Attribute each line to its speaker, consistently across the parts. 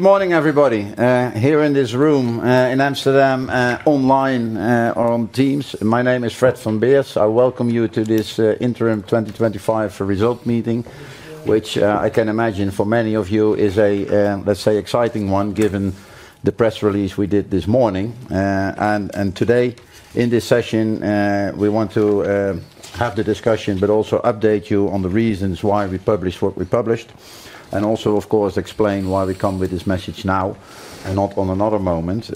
Speaker 1: Good morning, everybody, here in this room in Amsterdam, online or on Teams. My name is Fred van Beers. I welcome you to this Interim 2025 Result Meeting, which I can imagine for many of you is a, let's say, exciting one given the press release we did this morning. Today, in this session, we want to have the discussion, but also update you on the reasons why we published what we published. Of course, explain why we come with this message now and not at another moment,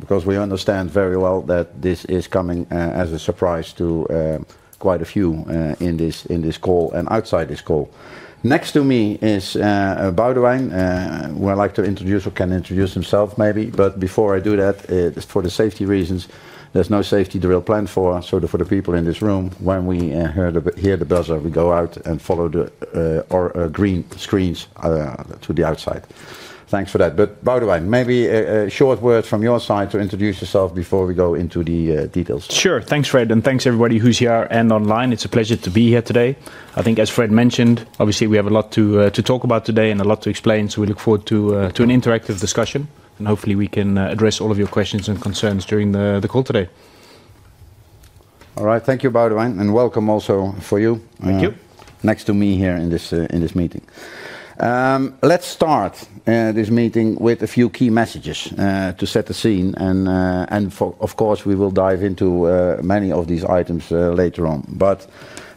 Speaker 1: because we understand very well that this is coming as a surprise to quite a few in this call and outside this call. Next to me is Boudewijn, who I'd like to introduce or can introduce himself maybe. Before I do that, just for the safety reasons, there's no safety drill planned for us, so for the people in this room, when we hear the buzzer, we go out and follow the green screens to the outside. Thanks for that. Boudewijn, maybe a short word from your side to introduce yourself before we go into the details.
Speaker 2: Sure. Thanks, Fred, and thanks everybody who's here and online. It's a pleasure to be here today. I think, as Fred mentioned, obviously we have a lot to talk about today and a lot to explain. We look forward to an interactive discussion and hopefully we can address all of your questions and concerns during the call today.
Speaker 1: All right. Thank you, Boudewijn, and welcome also for you.
Speaker 2: Thank you.
Speaker 1: Next to me here in this meeting. Let's start this meeting with a few key messages to set the scene. Of course, we will dive into many of these items later on.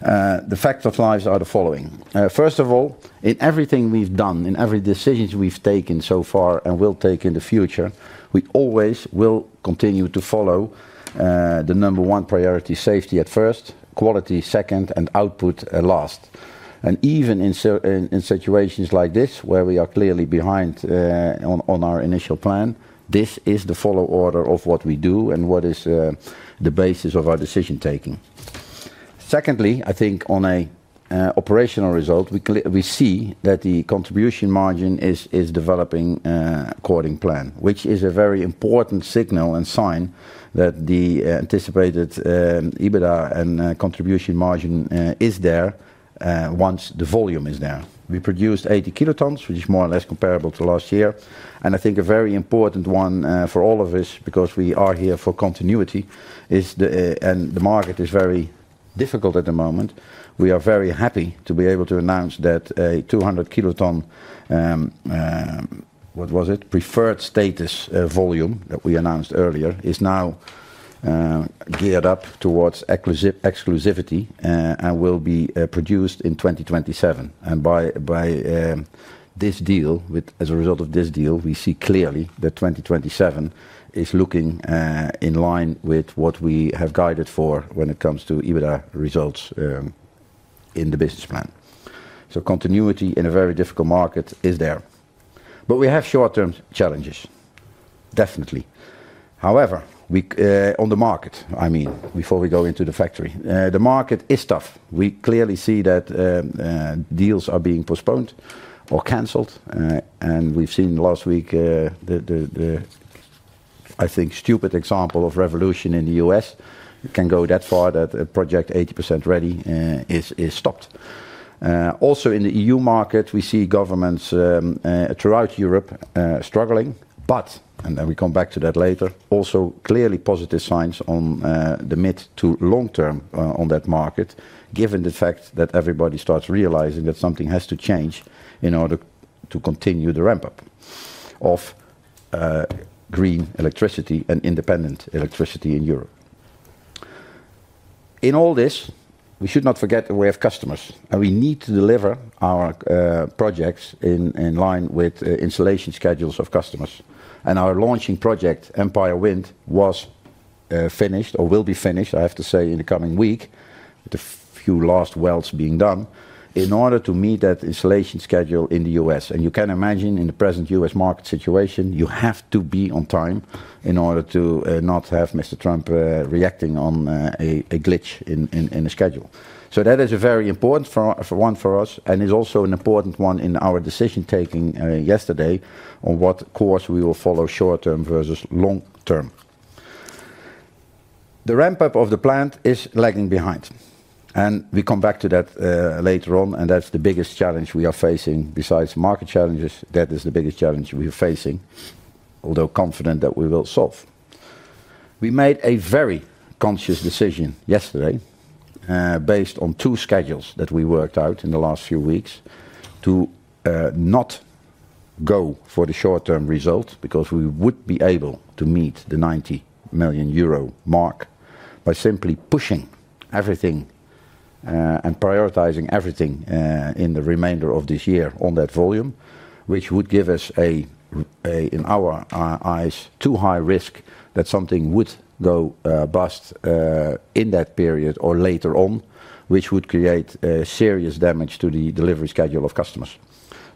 Speaker 1: The facts of life are the following. First of all, in everything we've done, in every decision we've taken so far and will take in the future, we always will continue to follow the number one priority: safety at first, quality second, and output last. Even in situations like this, where we are clearly behind on our initial plan, this is the follow order of what we do and what is the basis of our decision taking. Secondly, I think on an operational result, we see that the contribution margin is developing according to the plan, which is a very important signal and sign that the anticipated EBITDA and contribution margin is there once the volume is there. We produced 80 kt, which is more or less comparable to last year. I think a very important one for all of us, because we are here for continuity, is that the market is very difficult at the moment. We are very happy to be able to announce that a 200 kt, what was it, preferred status volume that we announced earlier is now geared up towards exclusivity and will be produced in 2027. By this deal, as a result of this deal, we see clearly that 2027 is looking in line with what we have guided for when it comes to EBITDA results in the business plan. Continuity in a very difficult market is there. We have short-term challenges, definitely. However, on the market, before we go into the factory, the market is tough. We clearly see that deals are being postponed or canceled. We've seen last week the, I think, stupid example of revolution in the U.S. can go that far that a project 80% ready is stopped. Also, in the EU market, we see governments throughout Europe struggling, but, and then we come back to that later, also clearly positive signs on the mid to long term on that market, given the fact that everybody starts realizing that something has to change in order to continue the ramp-up of green electricity and independent electricity in Europe. In all this, we should not forget that we have customers. We need to deliver our projects in line with the installation schedules of customers. Our launching project, Empire Wind 1, was finished or will be finished, I have to say, in the coming week, with a few last welds being done, in order to meet that installation schedule in the U.S. You can imagine, in the present U.S. market situation, you have to be on time in order to not have Mr. Trump reacting on a glitch in a schedule. That is a very important one for us, and it's also an important one in our decision taking yesterday on what course we will follow short term versus long term. The ramp-up of the plant is lagging behind. We come back to that later on. That's the biggest challenge we are facing. Besides market challenges, that is the biggest challenge we are facing, although confident that we will solve. We made a very conscious decision yesterday, based on two schedules that we worked out in the last few weeks, to not go for the short-term result because we would be able to meet the 90 million euro mark by simply pushing everything and prioritizing everything in the remainder of this year on that volume, which would give us, in our eyes, too high risk that something would go bust in that period or later on, which would create serious damage to the delivery schedule of customers.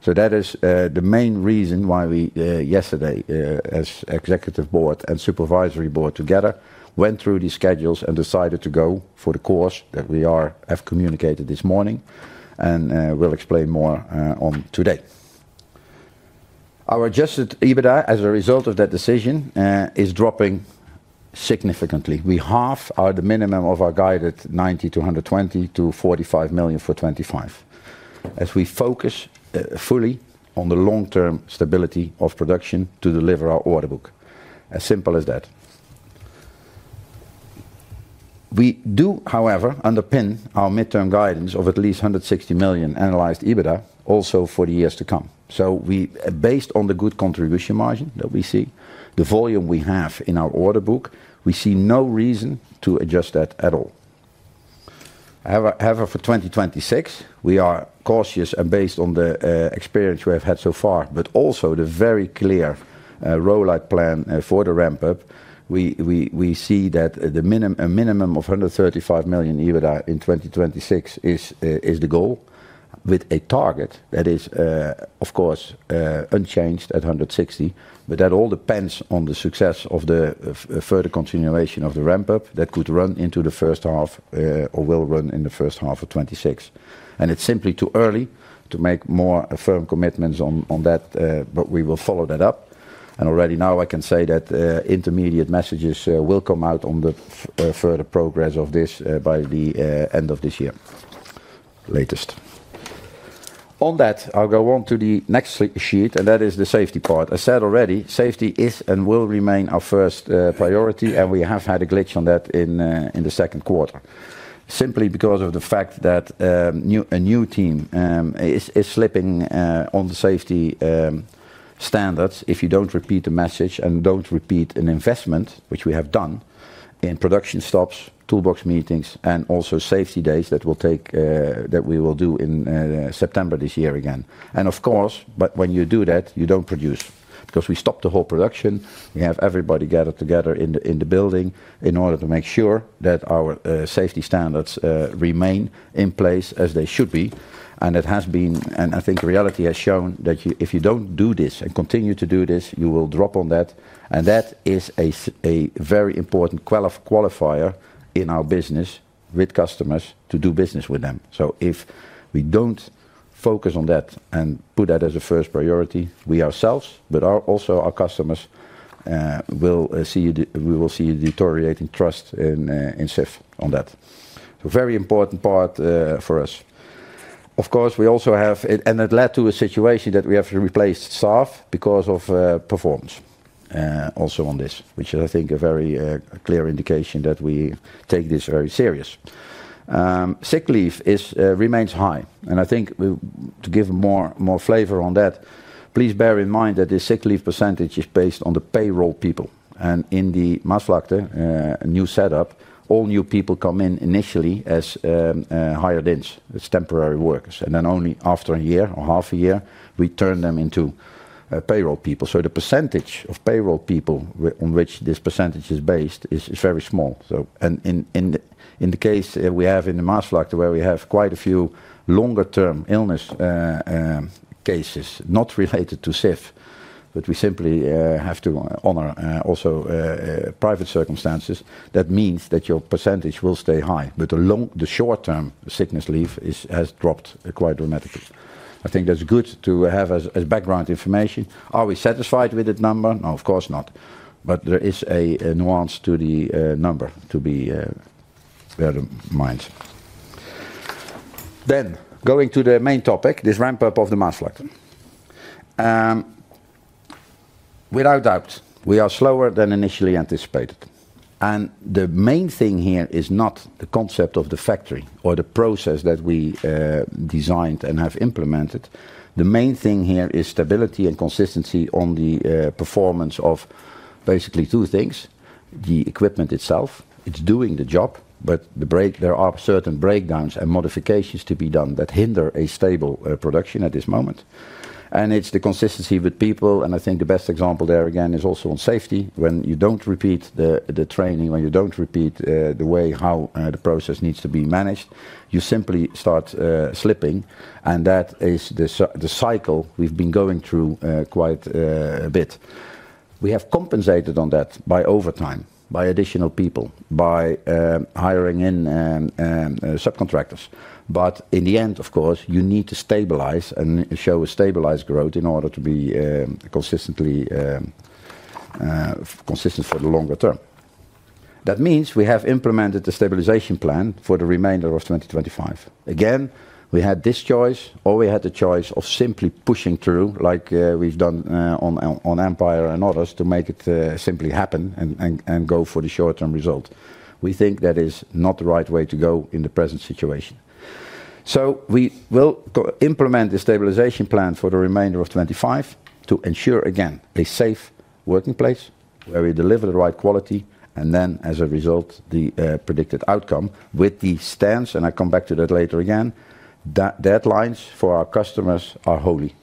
Speaker 1: That is the main reason why we, yesterday, as Executive Board and Supervisory Board together, went through these schedules and decided to go for the course that we have communicated this morning and will explain more on today. Our adjusted EBITDA, as a result of that decision, is dropping significantly. We halve the minimum of our guided 90 million to 120 million to 45 million for 2025, as we focus fully on the long-term stability of production to deliver our order book. As simple as that. We do, however, underpin our midterm guidance of at least 160 million analyzed EBITDA also for the years to come. Based on the good contribution margin that we see, the volume we have in our order book, we see no reason to adjust that at all. For 2026, we are cautious based on the experience we have had so far, but also the very clear rollout plan for the ramp-up. We see that a minimum of 135 million EBITDA in 2026 is the goal, with a target that is, of course, unchanged at 160 million, but that all depends on the success of the further continuation of the ramp-up that could run into the first half or will run in the first half of 2026. It's simply too early to make more firm commitments on that, but we will follow that up. Already now, I can say that intermediate messages will come out on the further progress of this by the end of this year, latest. On that, I'll go on to the next sheet, and that is the safety part. I said already, safety is and will remain our first priority, and we have had a glitch on that in the second quarter, simply because of the fact that a new team is slipping on the safety standards if you don't repeat the message and don't repeat an investment, which we have done, in production stops, toolbox meetings, and also safety days that we will do in September this year again. Of course, when you do that, you don't produce because we stop the whole production. We have everybody gathered together in the building in order to make sure that our safety standards remain in place as they should be. It has been, and I think reality has shown that if you don't do this and continue to do this, you will drop on that. That is a very important qualifier in our business with customers to do business with them. If we don't focus on that and put that as a first priority, we ourselves, but also our customers, will see you deteriorating trust in Sif on that. A very important part for us. Of course, we also have, and it led to a situation that we have to replace staff because of performance also on this, which is, I think, a very clear indication that we take this very serious. Sick leave remains high. I think to give more flavor on that, please bear in mind that the sick leave percentage is based on the payroll people. In the Maasvlakte new setup, all new people come in initially as hired-ins, as temporary workers. Only after a year or half a year, we turn them into payroll people. The percentage of payroll people on which this percentage is based is very small. In the case we have in the Maasvlakte, where we have quite a few longer-term illness cases not related to Sif, but we simply have to honor also private circumstances, that means that your percentage will stay high. The short-term sickness leave has dropped quite dramatically. I think that's good to have as background information. Are we satisfied with that number? No, of course not. There is a nuance to the number to be bear in mind. Going to the main topic, this ramp-up of the Maasvlakte. Without doubt, we are slower than initially anticipated. The main thing here is not the concept of the factory or the process that we designed and have implemented. The main thing here is stability and consistency on the performance of basically two things: the equipment itself, it's doing the job, but there are certain breakdowns and modifications to be done that hinder a stable production at this moment. It's the consistency with people. I think the best example there, again, is also on safety. When you don't repeat the training, when you don't repeat the way how the process needs to be managed, you simply start slipping. That is the cycle we've been going through quite a bit. We have compensated on that by overtime, by additional people, by hiring in subcontractors. In the end, of course, you need to stabilize and show a stabilized growth in order to be consistent for the longer term. That means we have implemented the stabilization plan for the remainder of 2025. We had the choice of simply pushing through, like we've done on Empire Wind 1 and others, to make it simply happen and go for the short-term result. We think that is not the right way to go in the present situation. We will implement the stabilization plan for the remainder of 2025 to ensure, again, a safe working place where we deliver the right quality and then, as a result, the predicted outcome with the stance, and I'll come back to that later again, that deadlines for our customers are holy.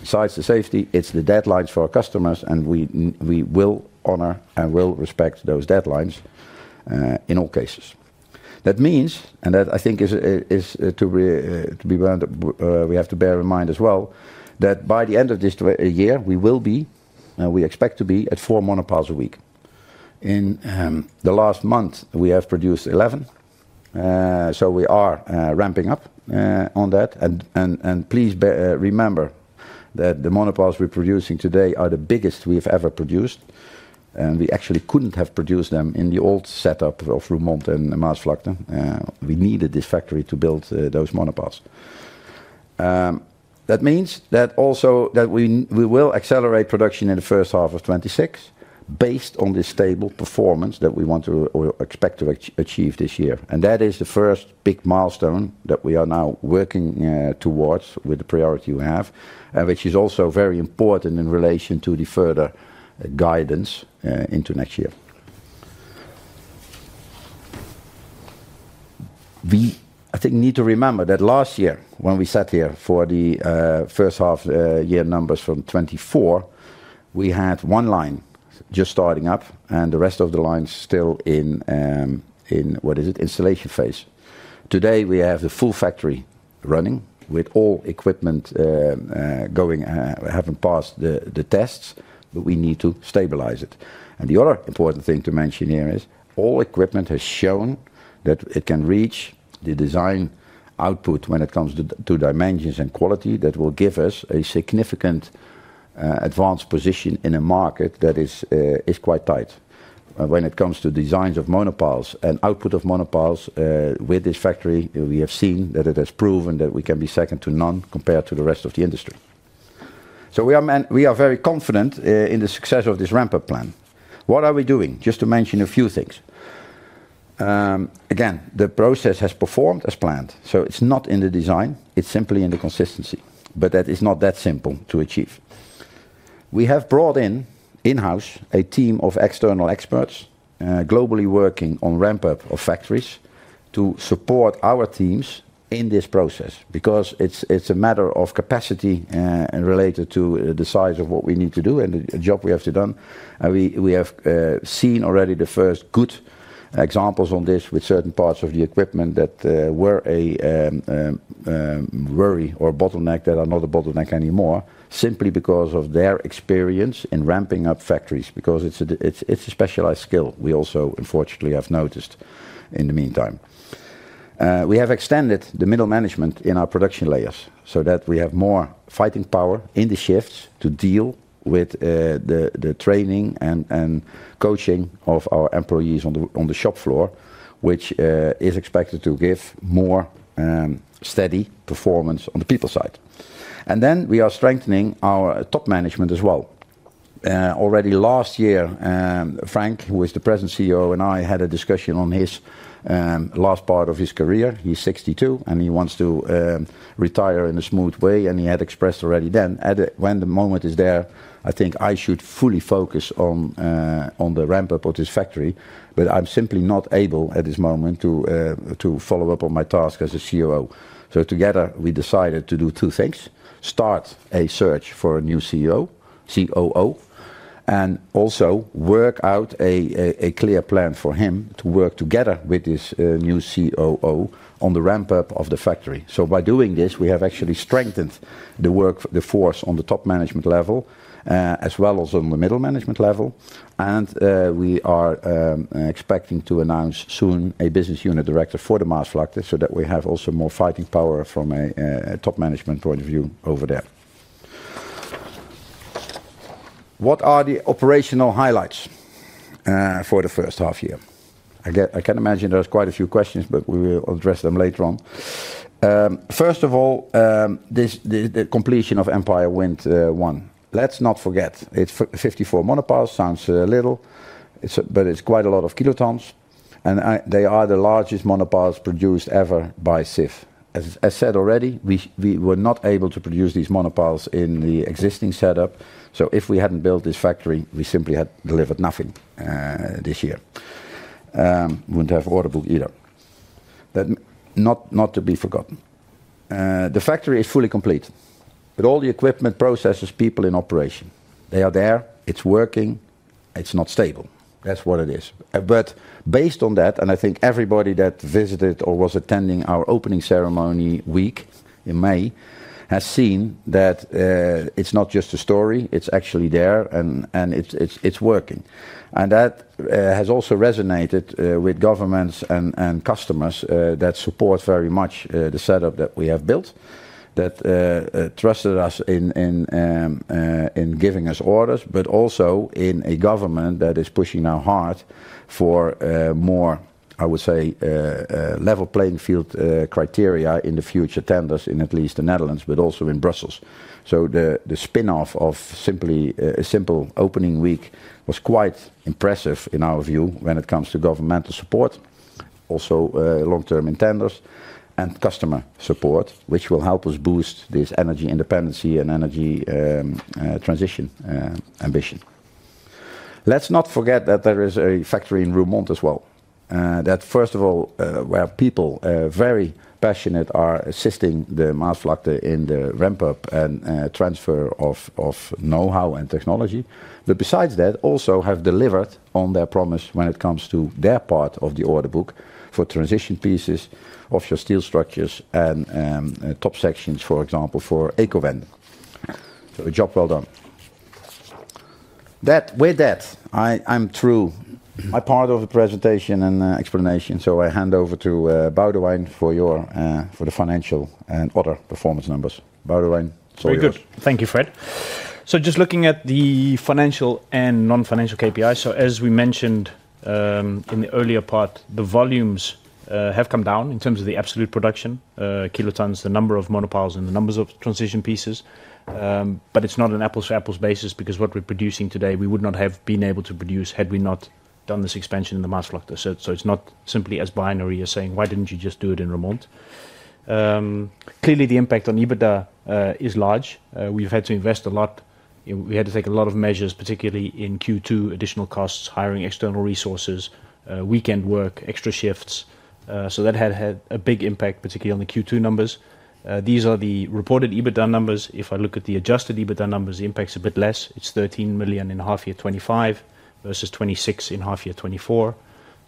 Speaker 1: Besides the safety, it's the deadlines for our customers, and we will honor and will respect those deadlines in all cases. That means, and that I think is to be we have to bear in mind as well, that by the end of this year, we will be, and we expect to be at four monopiles a week. In the last month, we have produced 11. We are ramping up on that. Please remember that the monopiles we're producing today are the biggest we have ever produced. We actually couldn't have produced them in the old setup of Roermond and Maasvlakte. We needed this factory to build those monopiles. That means also that we will accelerate production in the first half of 2026 based on the stable performance that we want to expect to achieve this year. That is the first big milestone that we are now working towards with the priority we have, which is also very important in relation to the further guidance into next year. I think we need to remember that last year, when we sat here for the first half-year numbers from 2024, we had one line just starting up and the rest of the lines still in, what is it, installation phase. Today, we have the full factory running with all equipment going, having passed the tests, but we need to stabilize it. The other important thing to mention here is all equipment has shown that it can reach the design output when it comes to dimensions and quality that will give us a significant advanced position in a market that is quite tight. When it comes to designs of monopiles and output of monopiles, with this factory, we have seen that it has proven that we can be second to none compared to the rest of the industry. We are very confident in the success of this ramp-up plan. What are we doing? Just to mention a few things. Again, the process has performed as planned. It's not in the design. It's simply in the consistency. That is not that simple to achieve. We have brought in, in-house, a team of external experts globally working on ramp-up of factories to support our teams in this process because it's a matter of capacity related to the size of what we need to do and the job we have to do. We have seen already the first good examples on this with certain parts of the equipment that were a worry or a bottleneck that are not a bottleneck anymore, simply because of their experience in ramping up factories, because it's a specialized skill we also, unfortunately, have noticed in the meantime. We have extended the middle management in our production layers so that we have more fighting power in the shifts to deal with the training and coaching of our employees on the shop floor, which is expected to give more steady performance on the people side. We are strengthening our top management as well. Already last year, Frank, who is the present CEO, and I had a discussion on his last part of his career. He's 62, and he wants to retire in a smooth way. He had expressed already then, when the moment is there, I think I should fully focus on the ramp-up of this factory, but I'm simply not able at this moment to follow up on my task as the CEO. Together, we decided to do two things: start a search for a new CEO, COO, and also work out a clear plan for him to work together with this new COO on the ramp-up of the factory. By doing this, we have actually strengthened the work, the force on the top management level, as well as on the middle management level. We are expecting to announce soon a Business Unit Director for the Maasvlakte so that we have also more fighting power from a top management point of view over there. What are the operational highlights for the first half year? I can imagine there are quite a few questions, but we will address them later on. First of all, the completion of Empire Wind 1. Let's not forget, it's 54 monopiles. Sounds little, but it's quite a lot of kilotons. They are the largest monopiles produced ever by Sif. As I said already, we were not able to produce these monopiles in the existing setup. If we hadn't built this factory, we simply had delivered nothing this year. We wouldn't have order book either. Not to be forgotten, the factory is fully complete. All the equipment, processes, people in operation, they are there. It's working. It's not stable. That's what it is. Based on that, and I think everybody that visited or was attending our opening ceremony week in May has seen that it's not just a story. It's actually there, and it's working. That has also resonated with governments and customers that support very much the setup that we have built, that trusted us in giving us orders, also in a government that is pushing now hard for more, I would say, level playing field criteria in the future tenders in at least the Netherlands, also in Brussels. The spin-off of simply a simple opening week was quite impressive in our view when it comes to governmental support, also long-term tenders, and customer support, which will help us boost this energy independency and energy transition ambition. Let's not forget that there is a factory in Roermond as well, where people very passionately are assisting the Maasvlakte in the ramp-up and transfer of know-how and technology. Besides that, also have delivered on their promise when it comes to their part of the order book for transition pieces of your steel structures and top sections, for example, for Ecowende. A job well done. With that, I'm through my part of the presentation and explanation. I hand over to Boudewijn for the financial and order performance numbers. Boudewijn, sorry.
Speaker 2: Very good. Thank you, Fred. Just looking at the financial and non-financial KPIs. As we mentioned in the earlier part, the volumes have come down in terms of the absolute production, kilotons, the number of monopiles, and the numbers of transition pieces. It's not an apples-to-apples basis because what we're producing today, we would not have been able to produce had we not done this expansion in the Maasvlakte. It's not simply as binary as saying, why didn't you just do it in Roermond? Clearly, the impact on EBITDA is large. We've had to invest a lot. We had to take a lot of measures, particularly in Q2, additional costs, hiring external resources, weekend work, extra shifts. That had a big impact, particularly on the Q2 numbers. These are the reported EBITDA numbers. If I look at the adjusted EBITDA numbers, the impact's a bit less. It's 13 million in half year 2025 versus 26 million in half year 2024.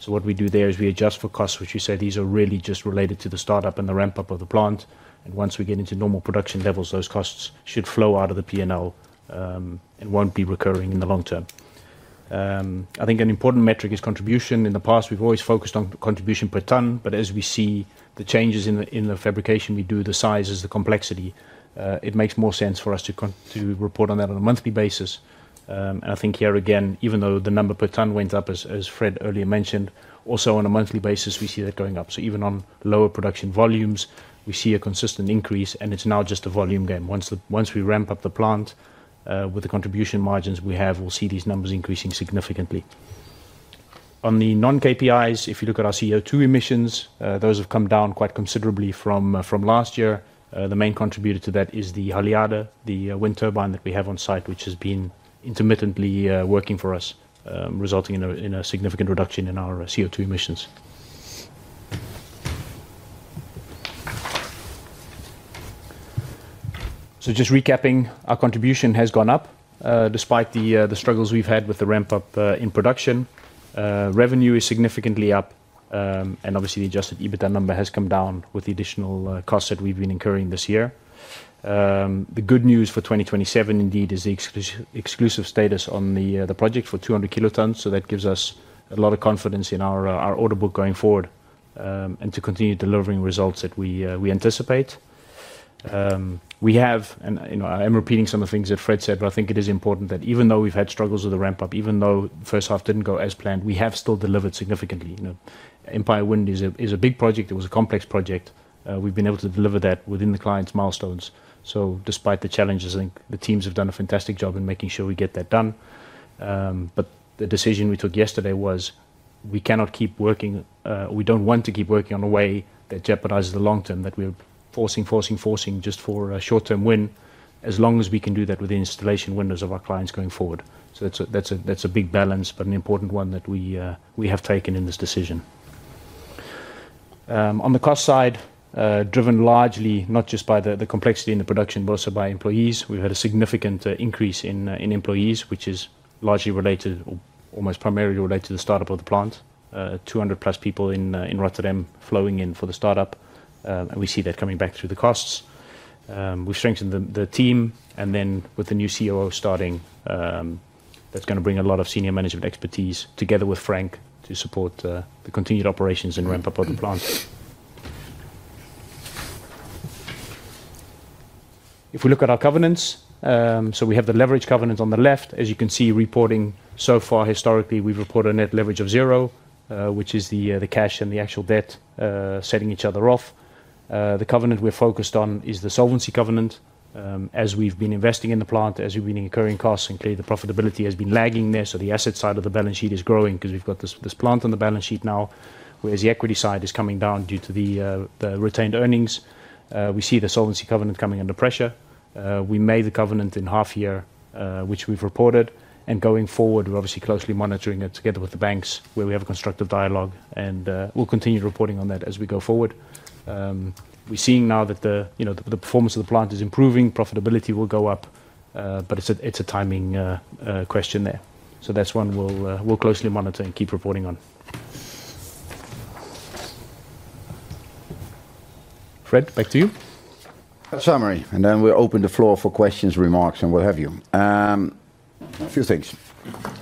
Speaker 2: What we do there is we adjust for costs, which we say these are really just related to the startup and the ramp-up of the plant. Once we get into normal production levels, those costs should flow out of the P&L and won't be recurring in the long term. I think an important metric is contribution. In the past, we've always focused on contribution per ton. As we see the changes in the fabrication we do, the sizes, the complexity, it makes more sense for us to report on that on a monthly basis. I think here again, even though the number per ton went up, as Fred earlier mentioned, also on a monthly basis, we see that going up. Even on lower production volumes, we see a consistent increase, and it's now just a volume game. Once we ramp up the plant with the contribution margins we have, we'll see these numbers increasing significantly. On the non-KPIs, if you look at our CO2 emissions, those have come down quite considerably from last year. The main contributor to that is the Haliade, the wind turbine that we have on site, which has been intermittently working for us, resulting in a significant reduction in our CO2 emissions. Just recapping, our contribution has gone up despite the struggles we've had with the ramp-up in production. Revenue is significantly up, and obviously, the adjusted EBITDA number has come down with the additional costs that we've been incurring this year. The good news for 2027, indeed, is the exclusive status on the project for 200 kt. That gives us a lot of confidence in our order book going forward and to continue delivering results that we anticipate. I am repeating some of the things that Fred said, but I think it is important that even though we've had struggles with the ramp-up, even though the first half didn't go as planned, we have still delivered significantly. Empire Wind 1 is a big project. It was a complex project. We've been able to deliver that within the client's milestones. Despite the challenges, I think the teams have done a fantastic job in making sure we get that done. The decision we took yesterday was we cannot keep working, or we don't want to keep working in a way that jeopardizes the long term, that we're forcing, forcing, forcing just for a short-term win, as long as we can do that with the installation windows of our clients going forward. That's a big balance, but an important one that we have taken in this decision. On the cost side, driven largely not just by the complexity in the production, but also by employees. We've had a significant increase in employees, which is largely related, or almost primarily related to the startup of the plant. 200+ people in Rotterdam flowing in for the startup. We see that coming back through the costs. We've strengthened the team. With the new COO starting, that's going to bring a lot of senior management expertise together with Frank to support the continued operations and ramp-up of the plant. If we look at our covenants, we have the leverage covenants on the left. As you can see, reporting so far, historically, we've reported a net leverage of zero, which is the cash and the actual debt setting each other off. The covenant we're focused on is the solvency covenant. As we've been investing in the plant, as we've been incurring costs, and clearly the profitability has been lagging there. The asset side of the balance sheet is growing because we've got this plant on the balance sheet now, whereas the equity side is coming down due to the retained earnings. We see the solvency covenant coming under pressure. We made the covenant in half year, which we've reported. Going forward, we're obviously closely monitoring it together with the banks where we have a constructive dialogue. We'll continue reporting on that as we go forward. We're seeing now that the performance of the plant is improving. Profitability will go up, but it's a timing question there. That is one we'll closely monitor and keep reporting on. Fred, back to you.
Speaker 1: A summary. Then we'll open the floor for questions, remarks, and what have you. A few things.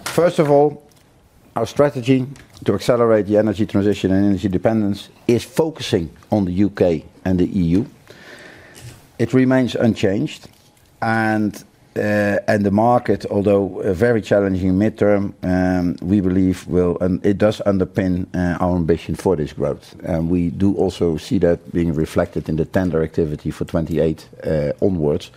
Speaker 1: First of all, our strategy to accelerate the energy transition and energy dependence is focusing on the U.K. and the EU. It remains unchanged. The market, although very challenging mid-term, we believe it does underpin our ambition for this growth. We do also see that being reflected in the tender activity for 2028 onwards.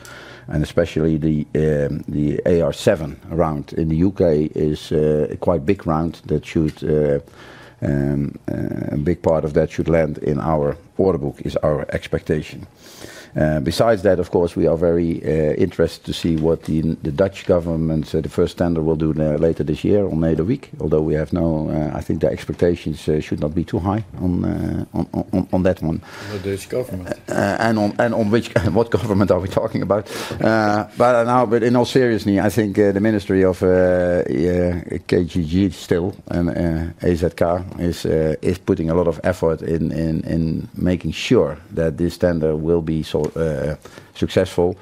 Speaker 1: Especially the AR7 round in the U.K. is a quite big round; a big part of that should land in our order book, is our expectation. Besides that, of course, we are very interested to see what the Dutch government, the first tender, will do later this year on NATO WEEC. Although we have no, I think the expectations should not be too high on that one.
Speaker 2: The Dutch government.
Speaker 1: On which, what government are we talking about? In all seriousness, I think the Ministry of KGG still and AZK is putting a lot of effort in making sure that this tender will be successful,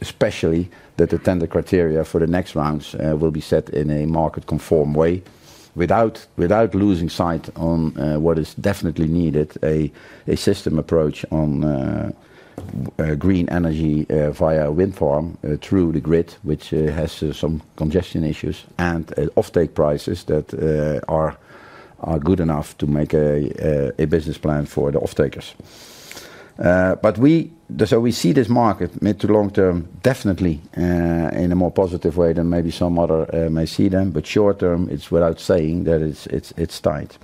Speaker 1: especially that the tender criteria for the next rounds will be set in a market-conformed way without losing sight on what is definitely needed, a system approach on green energy via wind farm through the grid, which has some congestion issues and offtake prices that are good enough to make a business plan for the offtakers. We see this market mid to long term definitely in a more positive way than maybe some others may see them. Short term, it's without saying that it's tight.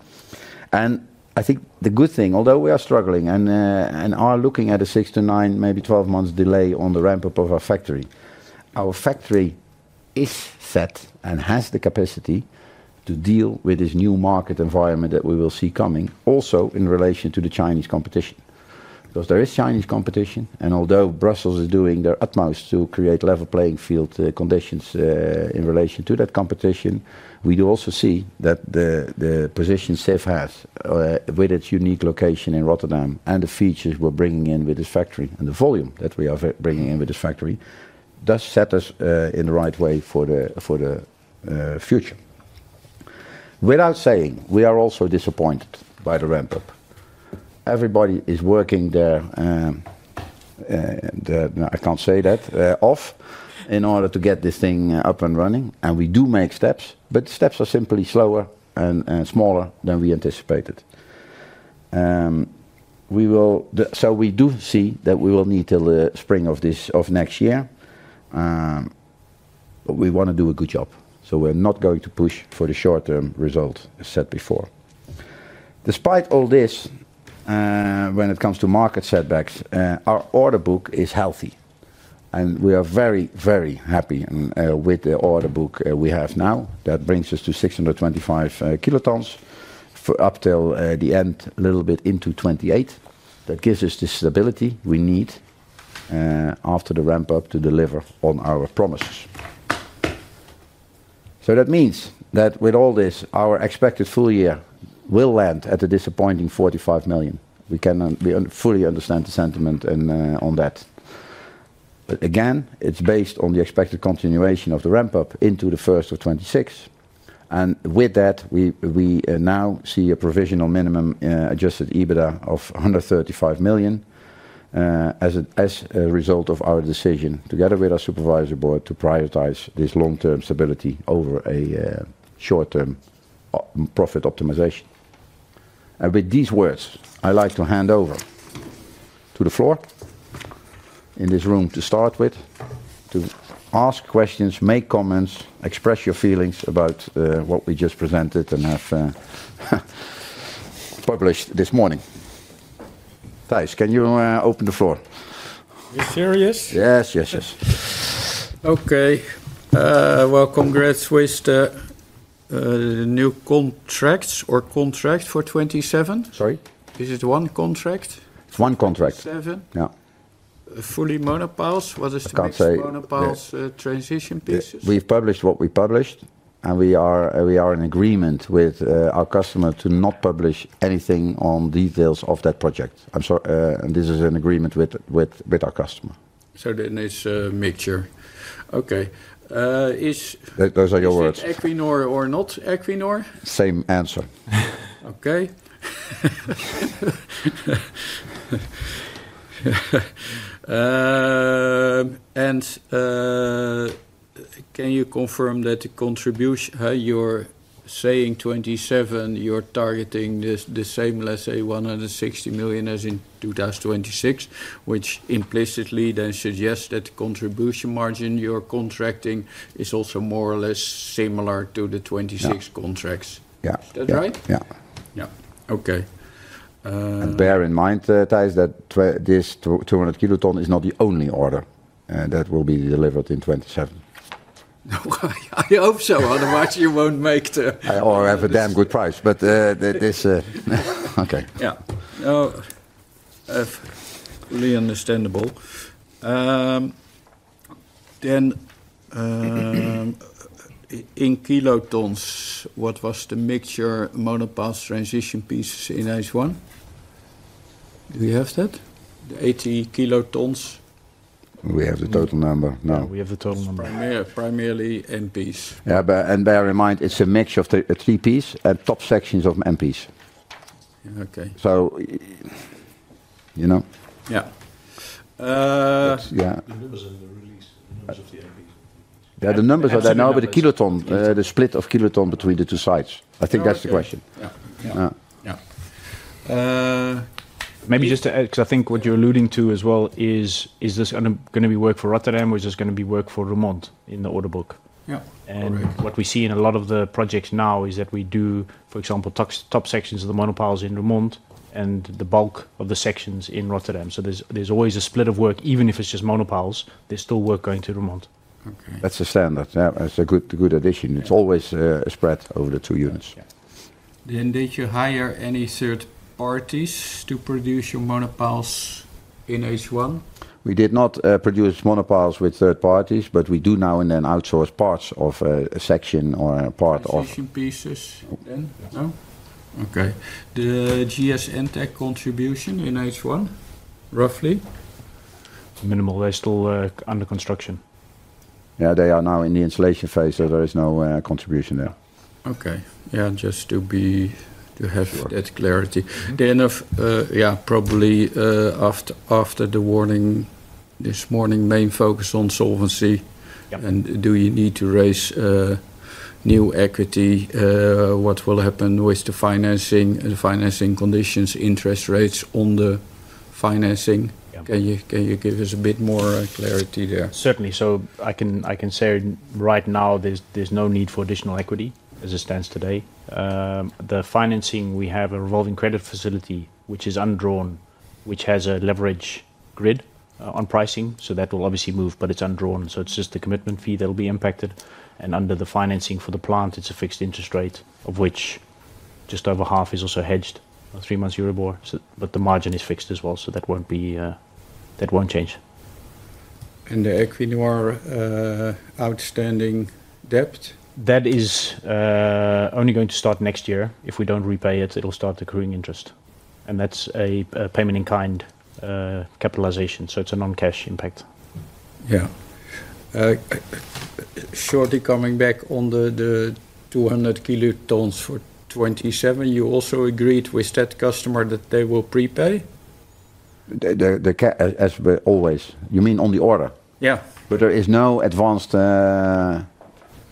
Speaker 1: The good thing, although we are struggling and are looking at a six to nine, maybe 12 months delay on the ramp-up of our factory, our factory is set and has the capacity to deal with this new market environment that we will see coming, also in relation to the Chinese competition. There is Chinese competition. Although Brussels is doing their utmost to create level playing field conditions in relation to that competition, we do also see that the position Sif has, with its unique location in Rotterdam and the features we're bringing in with this factory and the volume that we are bringing in with this factory, does set us in the right way for the future. Without saying, we are also disappointed by the ramp-up. Everybody is working their ass off in order to get this thing up and running. We do make steps, but the steps are simply slower and smaller than we anticipated. We do see that we will need till the spring of next year, but we want to do a good job. We're not going to push for the short-term result, as said before. Despite all this, when it comes to market setbacks, our order book is healthy. We are very, very happy with the order book we have now. That brings us to 625 kt up till the end, a little bit into 2028. That gives us the stability we need after the ramp-up to deliver on our promises. That means that with all this, our expected full year will land at a disappointing 45 million. We fully understand the sentiment on that. Again, it's based on the expected continuation of the ramp-up into the first of 2026. We now see a provisional minimum adjusted EBITDA of 135 million as a result of our decision, together with our Supervisory Board, to prioritize this long-term stability over short-term profit optimization. With these words, I'd like to hand over to the floor in this room to start with, to ask questions, make comments, express your feelings about what we just presented and have published this morning. Thijs, can you open the floor?
Speaker 3: Are you serious?
Speaker 1: Yes, yes, yes.
Speaker 3: Okay. Congrats with the new contracts or contracts for 2027.
Speaker 1: Sorry?
Speaker 3: Is it one contract?
Speaker 1: It's one contract.
Speaker 3: Seven?
Speaker 1: Yeah.
Speaker 3: Fully monopause?
Speaker 1: Counted.
Speaker 3: Was it fully monopiles transition pieces?
Speaker 1: We've published what we published, and we are in agreement with our customer to not publish anything on details of that project. I'm sorry. This is an agreement with our customer.
Speaker 3: It's a mixture. Okay.
Speaker 1: Those are your words.
Speaker 3: Equinor or not Equinor?
Speaker 1: Same answer.
Speaker 3: Okay. Can you confirm that the contribution, you're saying 2027, you're targeting the same, let's say, 160 million as in 2026, which implicitly then suggests that the contribution margin you're contracting is also more or less similar to the 2026 contracts.
Speaker 1: Yeah.
Speaker 3: Is that right?
Speaker 1: Yeah. Yeah.
Speaker 3: Okay.
Speaker 1: Bear in mind, Thijs, that this 200 kt is not the only order that will be delivered in 2027.
Speaker 3: I hope so. Otherwise, you won't make it.
Speaker 1: Or have a damn good price. This is okay.
Speaker 3: Yeah. No, fully understandable. In kilotons, what was the mixture, monopiles, transition pieces in H1? Do we have that, the 80 kt?
Speaker 1: We have the total number. No.
Speaker 2: We have the total number.
Speaker 3: Primarily MPs.
Speaker 1: Yeah, bear in mind, it's a mixture of the three piece and top sections of monopiles.
Speaker 3: Yeah, okay.
Speaker 1: You know.
Speaker 3: Yeah.
Speaker 1: Yeah.
Speaker 3: The numbers in the release of the E.P.
Speaker 1: Yeah, the numbers are there now with the kiloton, the split of kiloton between the two sides. I think that's the question.
Speaker 3: Yeah, yeah.
Speaker 2: Maybe just to add, because I think what you're alluding to as well is, is this going to be work for Rotterdam or is this going to be work for Roermond in the order book?
Speaker 3: Yeah.
Speaker 2: What we see in a lot of the projects now is that we do, for example, top sections of the monopiles in Roermond, and the bulk of the sections in Rotterdam. There's always a split of work. Even if it's just monopiles, there's still work going to Roermond.
Speaker 3: Okay.
Speaker 1: That's the standard. Yeah, that's a good addition. It's always a spread over the two units.
Speaker 3: Yeah. Didn't they hire any third parties to produce your monopiles in H1?
Speaker 1: We did not produce monopiles with third parties, but we do now and then outsource parts of a section or a part of.
Speaker 3: Transition pieces then? No? Okay. The GS NTEC contribution in H1, roughly?
Speaker 2: Minimal rest hall under construction.
Speaker 1: Yeah, they are now in the installation phase, so there is no contribution there.
Speaker 3: Okay. Yeah, just to have that clarity. Probably after the warning this morning, main focus on solvency. Do you need to raise new equity? What will happen with the financing, the financing conditions, interest rates on the financing? Can you give us a bit more clarity there?
Speaker 2: Certainly. I can say right now there's no need for additional equity as it stands today. The financing, we have a revolving credit facility, which is undrawn, which has a leverage grid on pricing. That will obviously move, but it's undrawn, so it's just the commitment fee that will be impacted. Under the financing for the plant, it's a fixed interest rate of which just over half is also hedged, three months Euribor. The margin is fixed as well, so that won't change.
Speaker 3: The Equinor outstanding debt?
Speaker 2: That is only going to start next year. If we don't repay it, it'll start accruing interest. That's a payment in kind capitalization, so it's a non-cash impact.
Speaker 3: Yeah. Shortly, coming back on the 200 kt for 2027, you also agreed with that customer that they will prepay?
Speaker 1: As always, you mean on the order?
Speaker 3: Yeah.
Speaker 1: There is no advanced